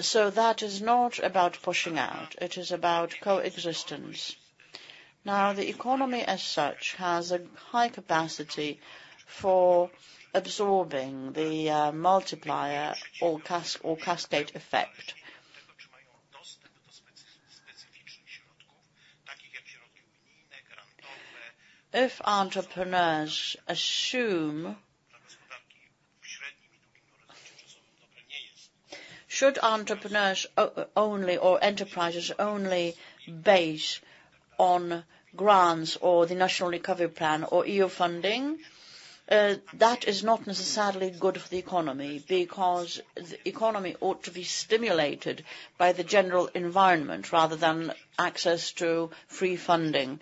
So that is not about pushing out, it is about coexistence. Now, the economy as such, has a high capacity for absorbing the multiplier or cascade effect. If entrepreneurs assume. Should entrepreneurs only, or enterprises only base on grants or the National Recovery Plan or EU funding, that is not necessarily good for the economy, because the economy ought to be stimulated by the general environment rather than access to free funding.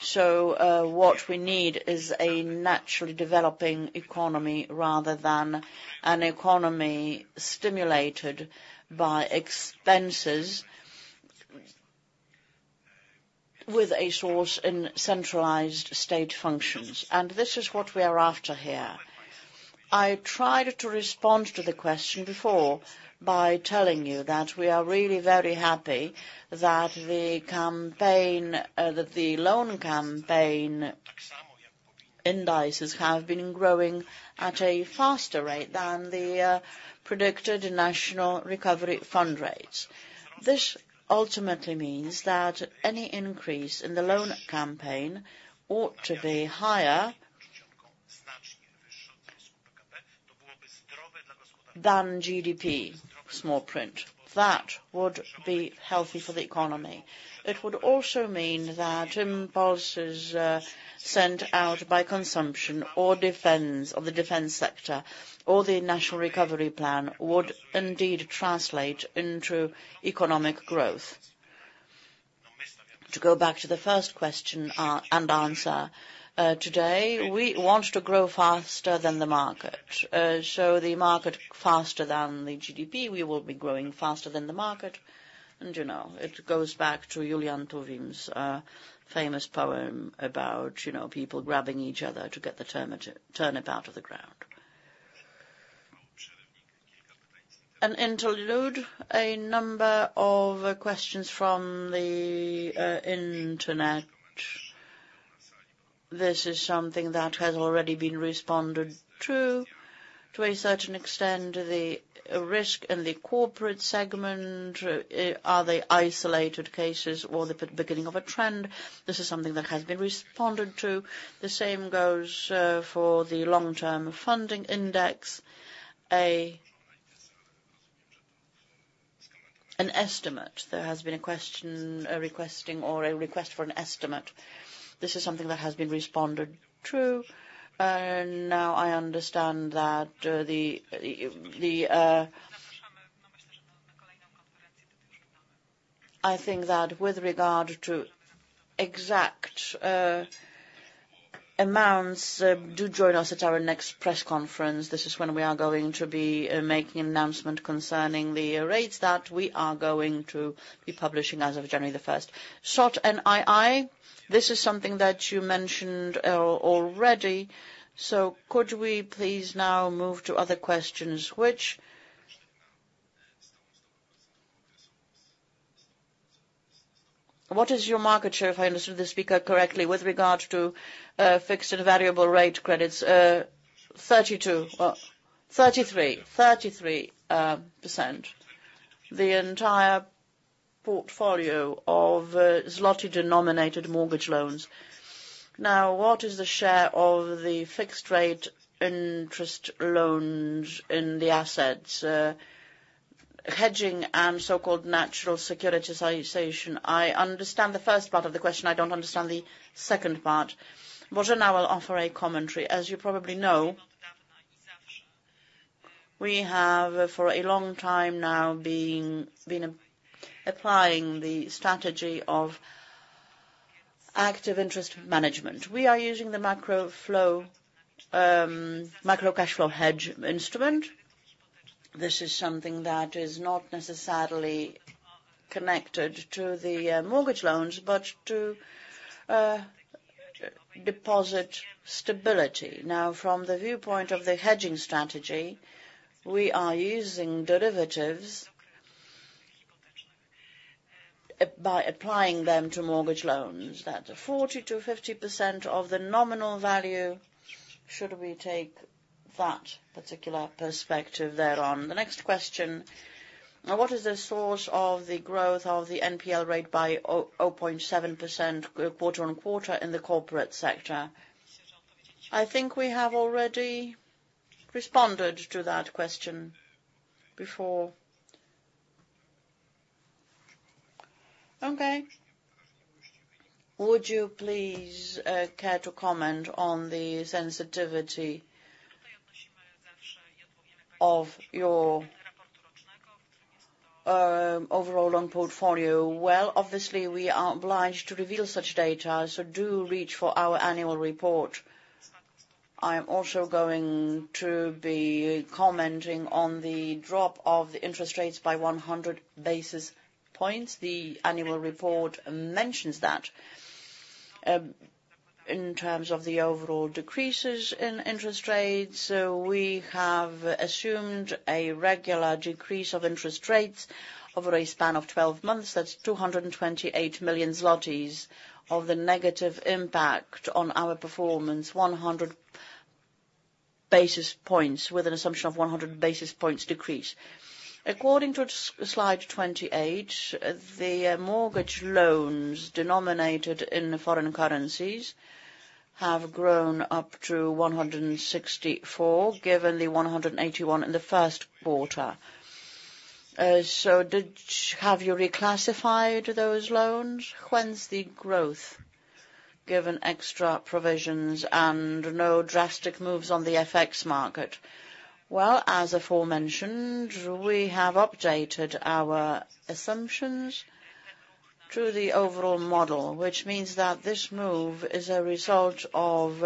So, what we need is a naturally developing economy rather than an economy stimulated by expenses with a source in centralized state functions, and this is what we are after here. I tried to respond to the question before by telling you that we are really very happy that the loan campaign indices have been growing at a faster rate than the predicted National Recovery Fund rates. This ultimately means that any increase in the loan campaign ought to be higher than GDP, small print. That would be healthy for the economy. It would also mean that impulses sent out by consumption or defense, of the defense sector or the National Recovery Plan, would indeed translate into economic growth. To go back to the first question and answer today, we want to grow faster than the market. So the market faster than the GDP, we will be growing faster than the market, and, you know, it goes back to Julian Tuwim's famous poem about, you know, people grabbing each other to get the turnip, turnip out of the ground. An interlude, a number of questions from the internet. This is something that has already been responded to, to a certain extent, the risk in the corporate segment, are they isolated cases or the beginning of a trend? This is something that has been responded to. The same goes for the long-term funding index. An estimate. There has been a question requesting or a request for an estimate. This is something that has been responded to. Now I understand that I think that with regard to exact amounts, do join us at our next press conference. This is when we are going to be making an announcement concerning the rates that we are going to be publishing as of January 1st. [SOT and IIthis is something that you mentioned already, so could we please now move to other questions? What is your market share, if I understood the speaker correctly, with regard to fixed and variable rate credits? 32% 33%. 33%. The entire portfolio of zloty-denominated mortgage loans. Now, what is the share of the fixed rate interest loans in the assets, hedging and so-called natural securitization? I understand the first part of the question. I don't understand the second part. Bożena will offer a commentary. As you probably know, we have, for a long time now, been applying the strategy of active interest management. We are using the macro cash flow hedge instrument. This is something that is not necessarily connected to the mortgage loans, but to deposit stability. Now, from the viewpoint of the hedging strategy, we are using derivatives by applying them to mortgage loans. That 40%-50% of the nominal value, should we take that particular perspective thereon. The next question: Now, what is the source of the growth of the NPL rate by 0.7% quarter-on-quarter in the corporate sector? I think we have already responded to that question before. Okay. Would you please care to comment on the sensitivity of your overall loan portfolio? Well, obviously, we are obliged to reveal such data, so do reach for our annual report. I'm also going to be commenting on the drop of the interest rates by 100 basis points. The annual report mentions that, in terms of the overall decreases in interest rates, we have assumed a regular decrease of interest rates over a span of 12 months. That's 228 million zlotys of the negative impact on our performance, 100 basis points, with an assumption of 100 basis points decrease. According to slide 28, the mortgage loans denominated in foreign currencies have grown up to 164 million, given the 181 million in the first quarter. So did, have you reclassified those loans? Whence the growth, given extra provisions and no drastic moves on the FX market? Well, as aforementioned, we have updated our assumptions to the overall model, which means that this move is a result of.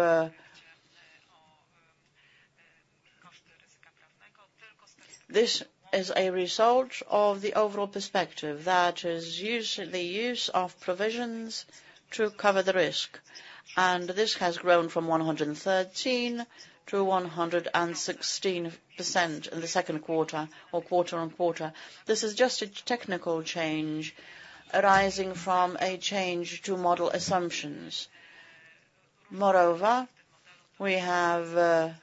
This is a result of the overall perspective, that is the use of provisions to cover the risk. And this has grown from 113% to 116% in the second quarter or quarter-on-quarter. This is just a technical change arising from a change to model assumptions. Moreover, we have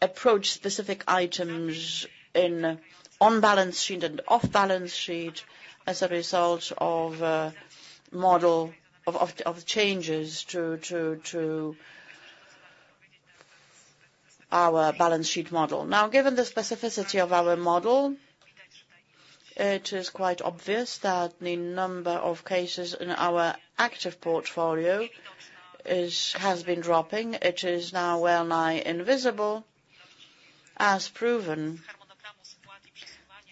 approached specific items in on-balance sheet and off-balance sheet as a result of model changes to our balance sheet model. Now, given the specificity of our model, it is quite obvious that the number of cases in our active portfolio has been dropping. It is now well-nigh invisible, as proven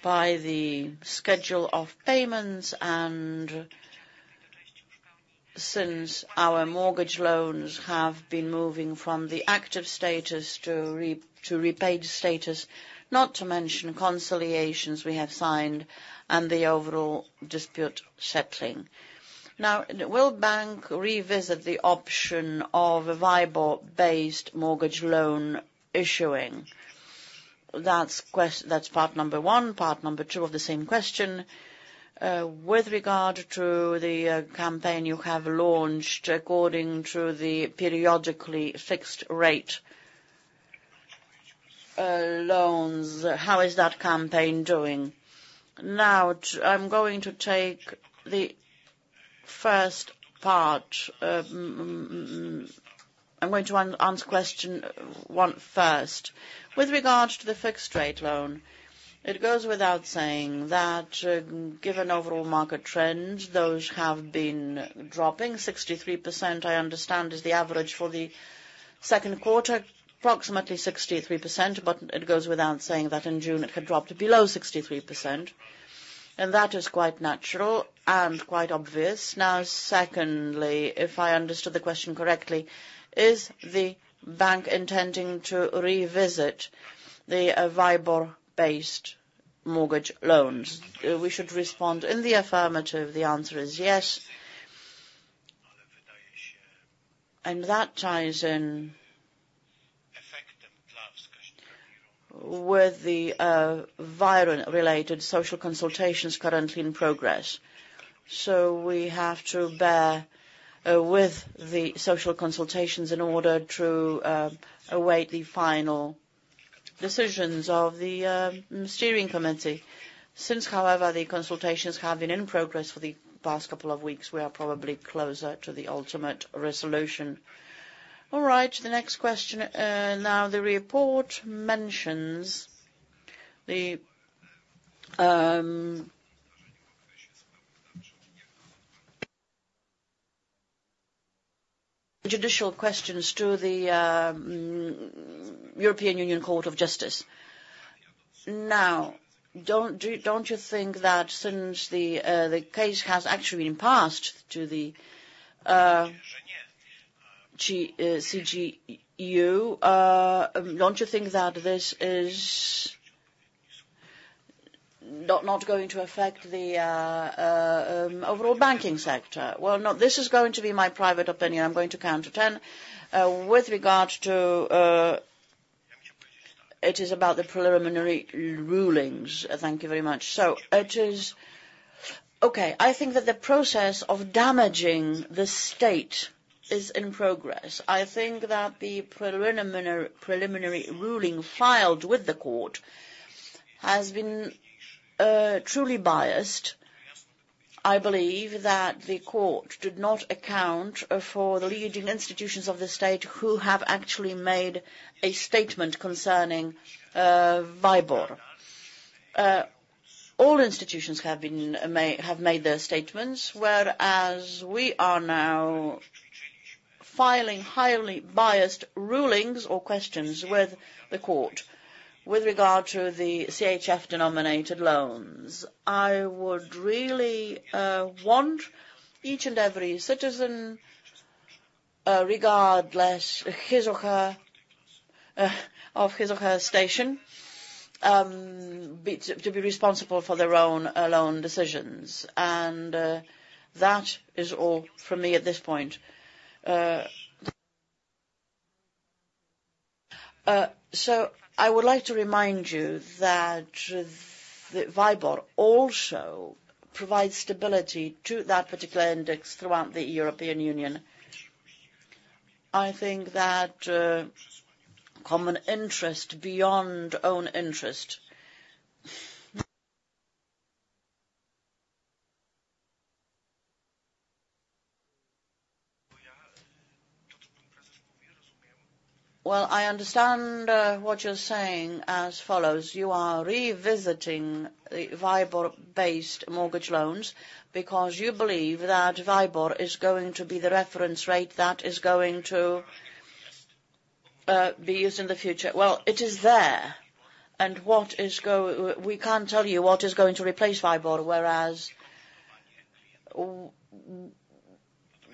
by the schedule of payments, and since our mortgage loans have been moving from the active status to repaid status, not to mention consolidations we have signed and the overall dispute settling. Now, will bank revisit the option of a WIBOR-based mortgage loan issuing? That's part number one. Part number two of the same question: With regard to the campaign you have launched according to the periodically fixed rate loans, how is that campaign doing? Now, I'm going to take the first part. I'm going to answer question one first. With regards to the fixed rate loan, it goes without saying that, given overall market trends, those have been dropping, 63%, I understand, is the average for the second quarter, approximately 63%, but it goes without saying that in June it had dropped below 63%, and that is quite natural and quite obvious. Now, secondly, if I understood the question correctly, is the bank intending to revisit the WIBOR-based mortgage loans? We should respond in the affirmative. The answer is yes. And that ties in with the WIBOR-related social consultations currently in progress. So we have to bear with the social consultations in order to await the final decisions of the steering committee. Since, however, the consultations have been in progress for the past couple of weeks, we are probably closer to the ultimate resolution. All right, the next question. Now, the report mentions the judicial questions to the Court of Justice of the European Union. Now, don't you think that since the case has actually been passed to the CJEU, don't you think that this is not not going to affect the overall banking sector? Well, no, this is going to be my private opinion. I'm going to count to ten. With regards to. It is about the preliminary rulings. Thank you very much. So it is okay, I think that the process of damaging the state is in progress. I think that the preliminary ruling filed with the court has been truly biased. I believe that the court did not account for the leading institutions of the state, who have actually made a statement concerning WIBOR. All institutions have made their statements, whereas we are now filing highly biased rulings or questions with the court with regard to the CHF-denominated loans. I would really want each and every citizen, regardless of his or her station, to be responsible for their own loan decisions, and that is all from me at this point. So I would like to remind you that the WIBOR also provides stability to that particular index throughout the European Union. I think that common interest beyond own interest. Well, I understand what you're saying as follows: You are revisiting the WIBOR-based mortgage loans because you believe that WIBOR is going to be the reference rate that is going to be used in the future. Well, it is there, and what is, we can't tell you what is going to replace WIBOR, whereas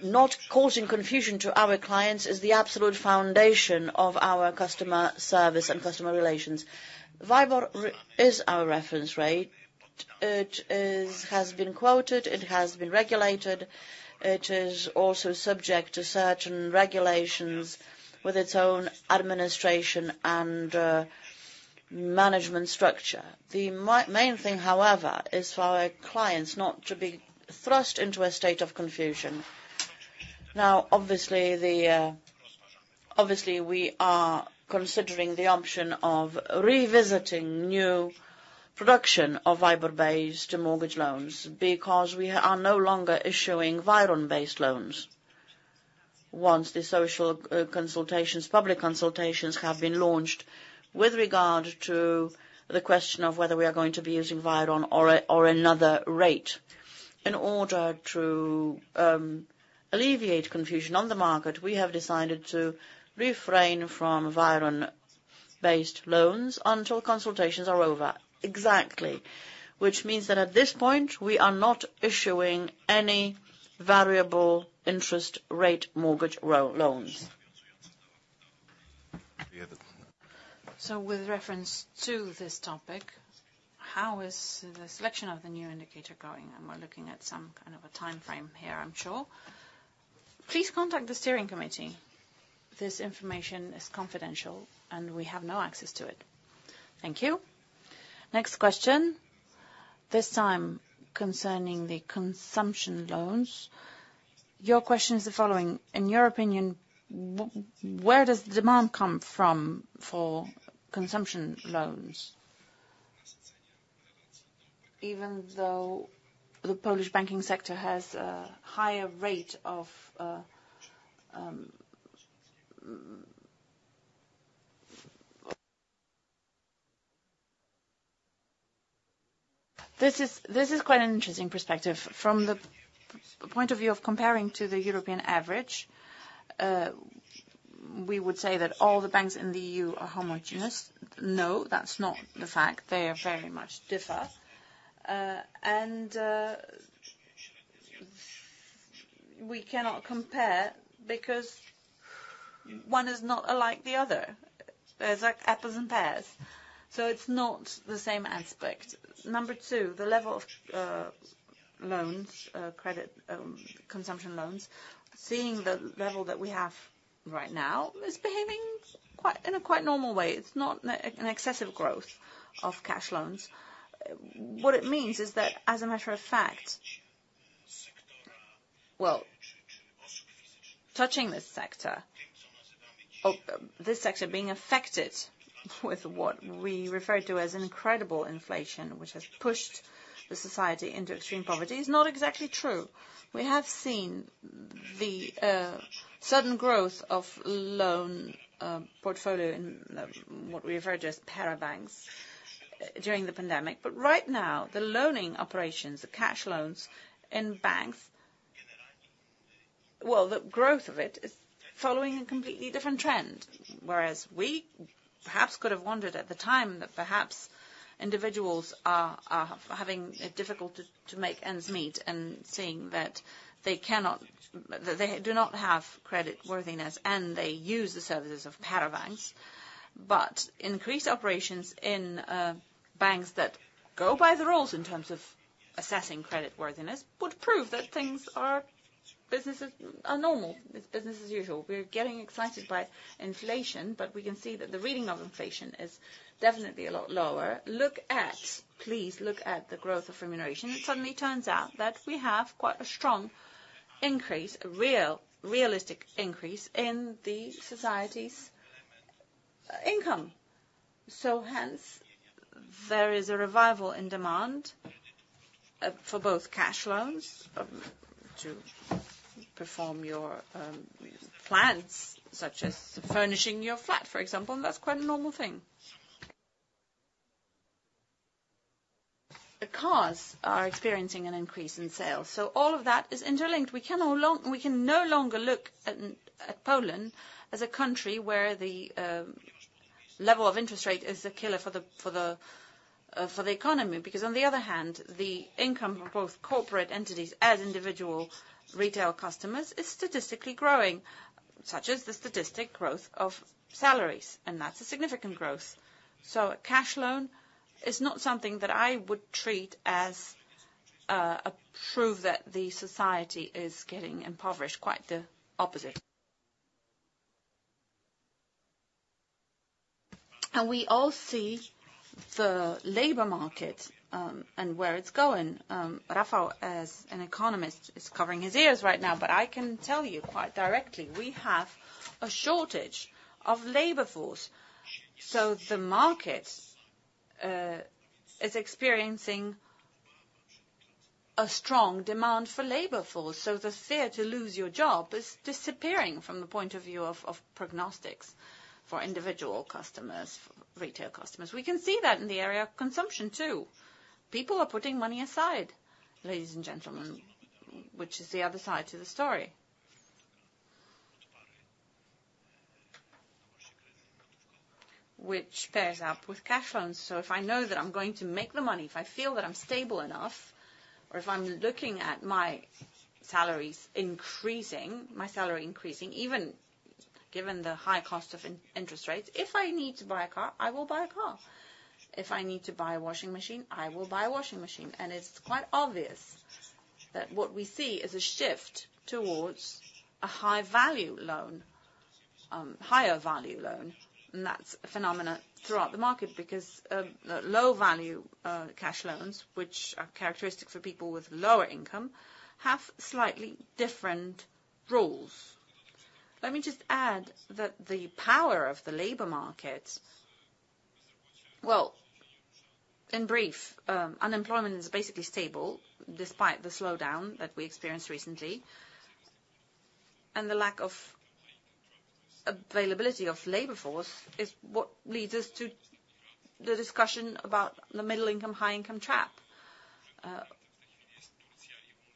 not causing confusion to our clients is the absolute foundation of our customer service and customer relations. WIBOR is our reference rate. It is, has been quoted, it has been regulated. It is also subject to certain regulations with its own administration and, management structure. The main thing, however, is for our clients not to be thrust into a state of confusion. Now, obviously, obviously, we are considering the option of revisiting new production of WIBOR-based mortgage loans, because we are no longer issuing WIRON-based loans. Once the social consultations, public consultations have been launched with regard to the question of whether we are going to be using WIRON or, or another rate. In order to alleviate confusion on the market, we have decided to refrain from WIRON-based loans until consultations are over. Exactly. Which means that at this point, we are not issuing any variable interest rate mortgage loans. With reference to this topic, how is the selection of the new indicator going? We're looking at some kind of a timeframe here, I'm sure. Please contact the steering committee. This information is confidential, and we have no access to it. Thank you. Next question, this time concerning the consumption loans. Your question is the following: In your opinion, where does the demand come from for consumption loans? Even though the Polish banking sector has a higher rate of. This is quite an interesting perspective. From the point of view of comparing to the European average, we would say that all the banks in the EU are homogeneous. No, that's not the fact. They are very much different. And we cannot compare because one is not alike the other. It's like apples and pears, so it's not the same aspect. Number two, the level of loans, credit, consumption loans, seeing the level that we have right now, is behaving quite in a quite normal way. It's not an excessive growth of cash loans. What it means is that, as a matter of fact, well, touching this sector, this sector being affected with what we refer to as an incredible inflation, which has pushed the society into extreme poverty, is not exactly true. We have seen the the sudden growth of loan portfolio in what we refer to as parabanks during the pandemic. But right now, the loaning operations, the cash loans in banks, well, the growth of it is following a completely different trend. Whereas we perhaps could have wondered at the time that perhaps individuals are having a difficulty to make ends meet, and seeing that they do not have creditworthiness, and they use the services of parabanks. But increased operations in banks that go by the rules in terms of assessing creditworthiness would prove that things are, businesses are normal. It's business as usual. We're getting excited by inflation, but we can see that the reading of inflation is definitely a lot lower. Please, look at the growth of remuneration. It suddenly turns out that we have quite a strong increase, a real, realistic increase in the society's income. So hence, there is a revival in demand for both cash loans to perform your plans, such as furnishing your flat, for example, and that's quite a normal thing. The cars are experiencing an increase in sales, so all of that is interlinked. We can no longer look at Poland as a country where the level of interest rate is a killer for the economy. Because on the other hand, the income for both corporate entities as individual retail customers is statistically growing, such as the statistical growth of salaries, and that's a significant growth. So a cash loan is not something that I would treat as a proof that the society is getting impoverished. Quite the opposite. We all see the labor market, and where it's going. Rafał, as an economist, is covering his ears right now, but I can tell you quite directly, we have a shortage of labor force. So the market is experiencing a strong demand for labor force, so the fear to lose your job is disappearing from the point of view of, of prognostics for individual customers, for retail customers. We can see that in the area of consumption, too. People are putting money aside, ladies and gentlemen, which is the other side to the story. Which pairs up with cash loans. So if I know that I'm going to make the money, if I feel that I'm stable enough, or if I'm looking at my salaries increasing, my salary increasing, even given the high cost of interest rates, if I need to buy a car, I will buy a car. If I need to buy a washing machine, I will buy a washing machine. It's quite obvious that what we see is a shift towards a high-value loan, higher-value loan. That's a phenomenon throughout the market. Because low-value cash loans, which are characteristic for people with lower income, have slightly different rules. Let me just add that the power of the labor market. Well, in brief, unemployment is basically stable, despite the slowdown that we experienced recently. The lack of availability of labor force is what leads us to the discussion about the middle-income, high-income trap.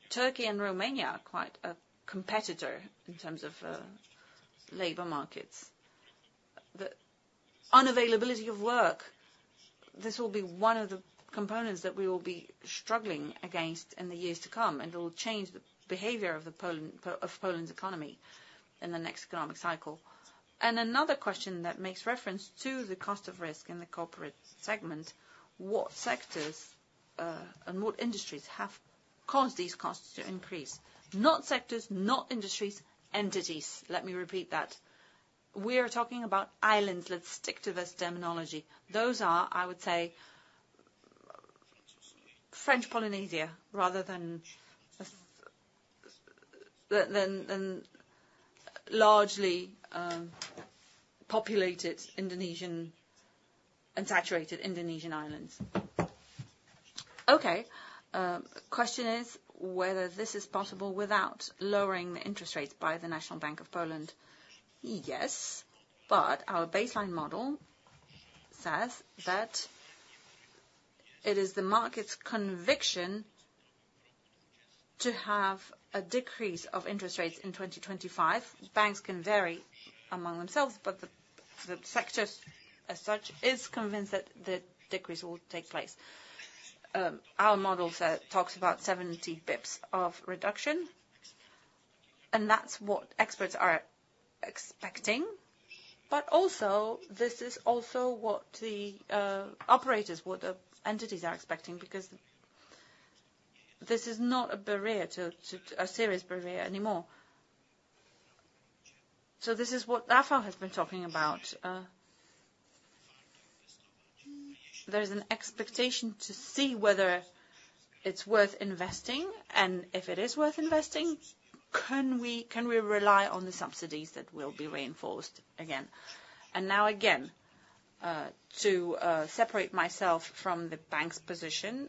Turkey and Romania are quite a competitor in terms of, labor markets. The unavailability of work, this will be one of the components that we will be struggling against in the years to come, and it will change the behavior of the Poland, of Poland's economy in the next economic cycle. Another question that makes reference to the cost of risk in the corporate segment: What sectors, and what industries have caused these costs to increase? Not sectors, not industries, entities. Let me repeat that. We are talking about islands. Let's stick to this terminology. Those are, I would say, French Polynesia, rather than than largely, populated Indonesian and saturated Indonesian islands. Okay, question is whether this is possible without lowering the interest rates by the National Bank of Poland? Yes, but our baseline model says that it is the market's conviction to have a decrease of interest rates in 2025. Banks can vary among themselves, but the sectors, as such, is convinced that the decrease will take place. Our model talks about 70 basis points of reduction, and that's what experts are expecting. But also, this is also what the operators, what the entities are expecting, because this is not a barrier to a serious barrier anymore. So this is what Rafał has been talking about. There is an expectation to see whether it's worth investing, and if it is worth investing, can we rely on the subsidies that will be reinforced again? And now again to separate myself from the bank's position,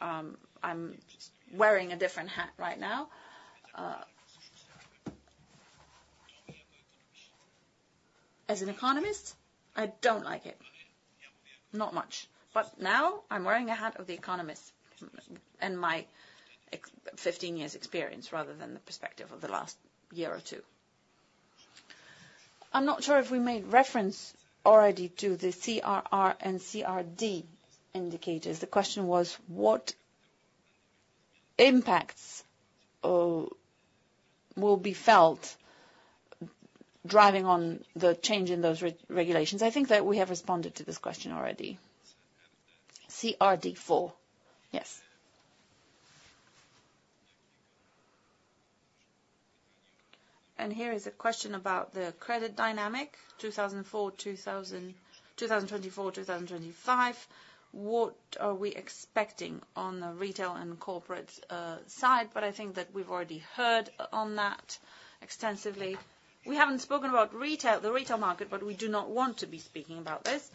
I'm wearing a different hat right now. As an economist, I don't like it, not much, but now I'm wearing a hat of the economist, and my 15 years experience, rather than the perspective of the last year or two. I'm not sure if we made reference already to the CRR and CRD indicators. The question was: What impacts will be felt driving on the change in those regulations? I think that we have responded to this question already. CRD4, yes. Here is a question about the credit dynamic, 2024, 2025. What are we expecting on the retail and corporate side? I think that we've already heard on that extensively. We haven't spoken about retail, the retail market, but we do not want to be speaking about this.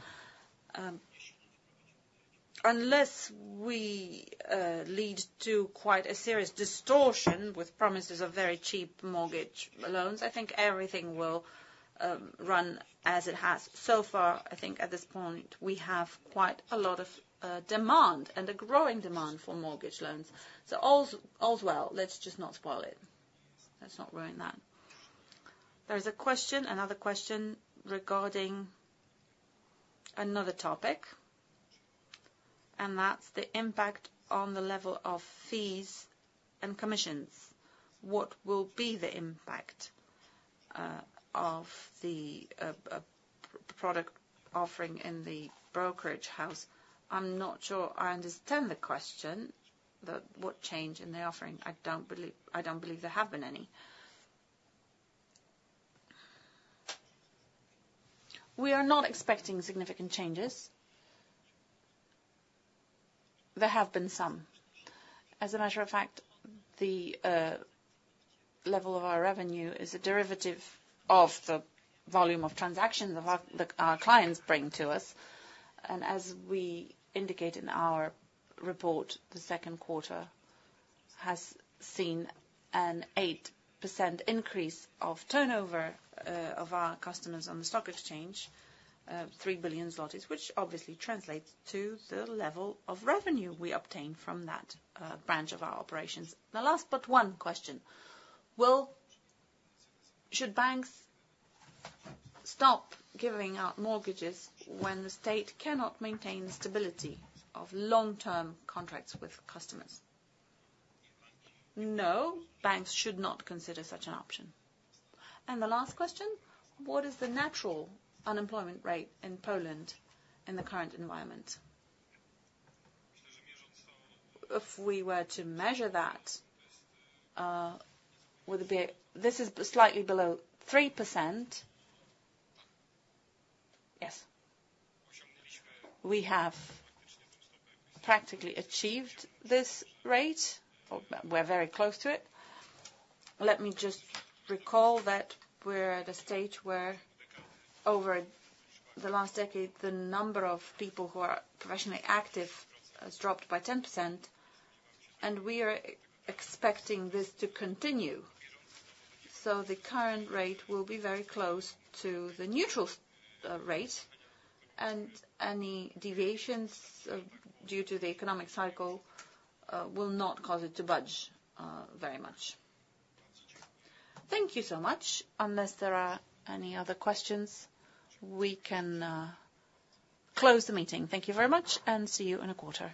Unless we lead to quite a serious distortion with promises of very cheap mortgage loans, I think everything will run as it has so far. I think at this point, we have quite a lot of demand and a growing demand for mortgage loans. So all's well, let's just not spoil it. Let's not ruin that. There is a question, another question regarding another topic, and that's the impact on the level of fees and commissions. What will be the impact of the product offering in the brokerage house? I'm not sure I understand the question, but what change in the offering? I don't believe there have been any. We are not expecting significant changes. There have been some. As a matter of fact, the level of our revenue is a derivative of the volume of transactions that our, that our clients bring to us, and as we indicate in our report, the second quarter has seen an 8% increase of turnover of our customers on the stock exchange 3 billion zlotys, which obviously translates to the level of revenue we obtain from that branch of our operations. The last but one question: Well, should banks stop giving out mortgages when the state cannot maintain the stability of long-term contracts with customers? No, banks should not consider such an option. And the last question: What is the natural unemployment rate in Poland in the current environment? If we were to measure that, would it be. This is slightly below 3%. Yes. We have practically achieved this rate, or we're very close to it. Let me just recall that we're at a stage where, over the last decade, the number of people who are professionally active has dropped by 10%, and we are expecting this to continue. So the current rate will be very close to the neutral rate, and any deviations due to the economic cycle will not cause it to budge very much. Thank you so much. Unless there are any other questions, we can close the meeting. Thank you very much, and see you in a quarter.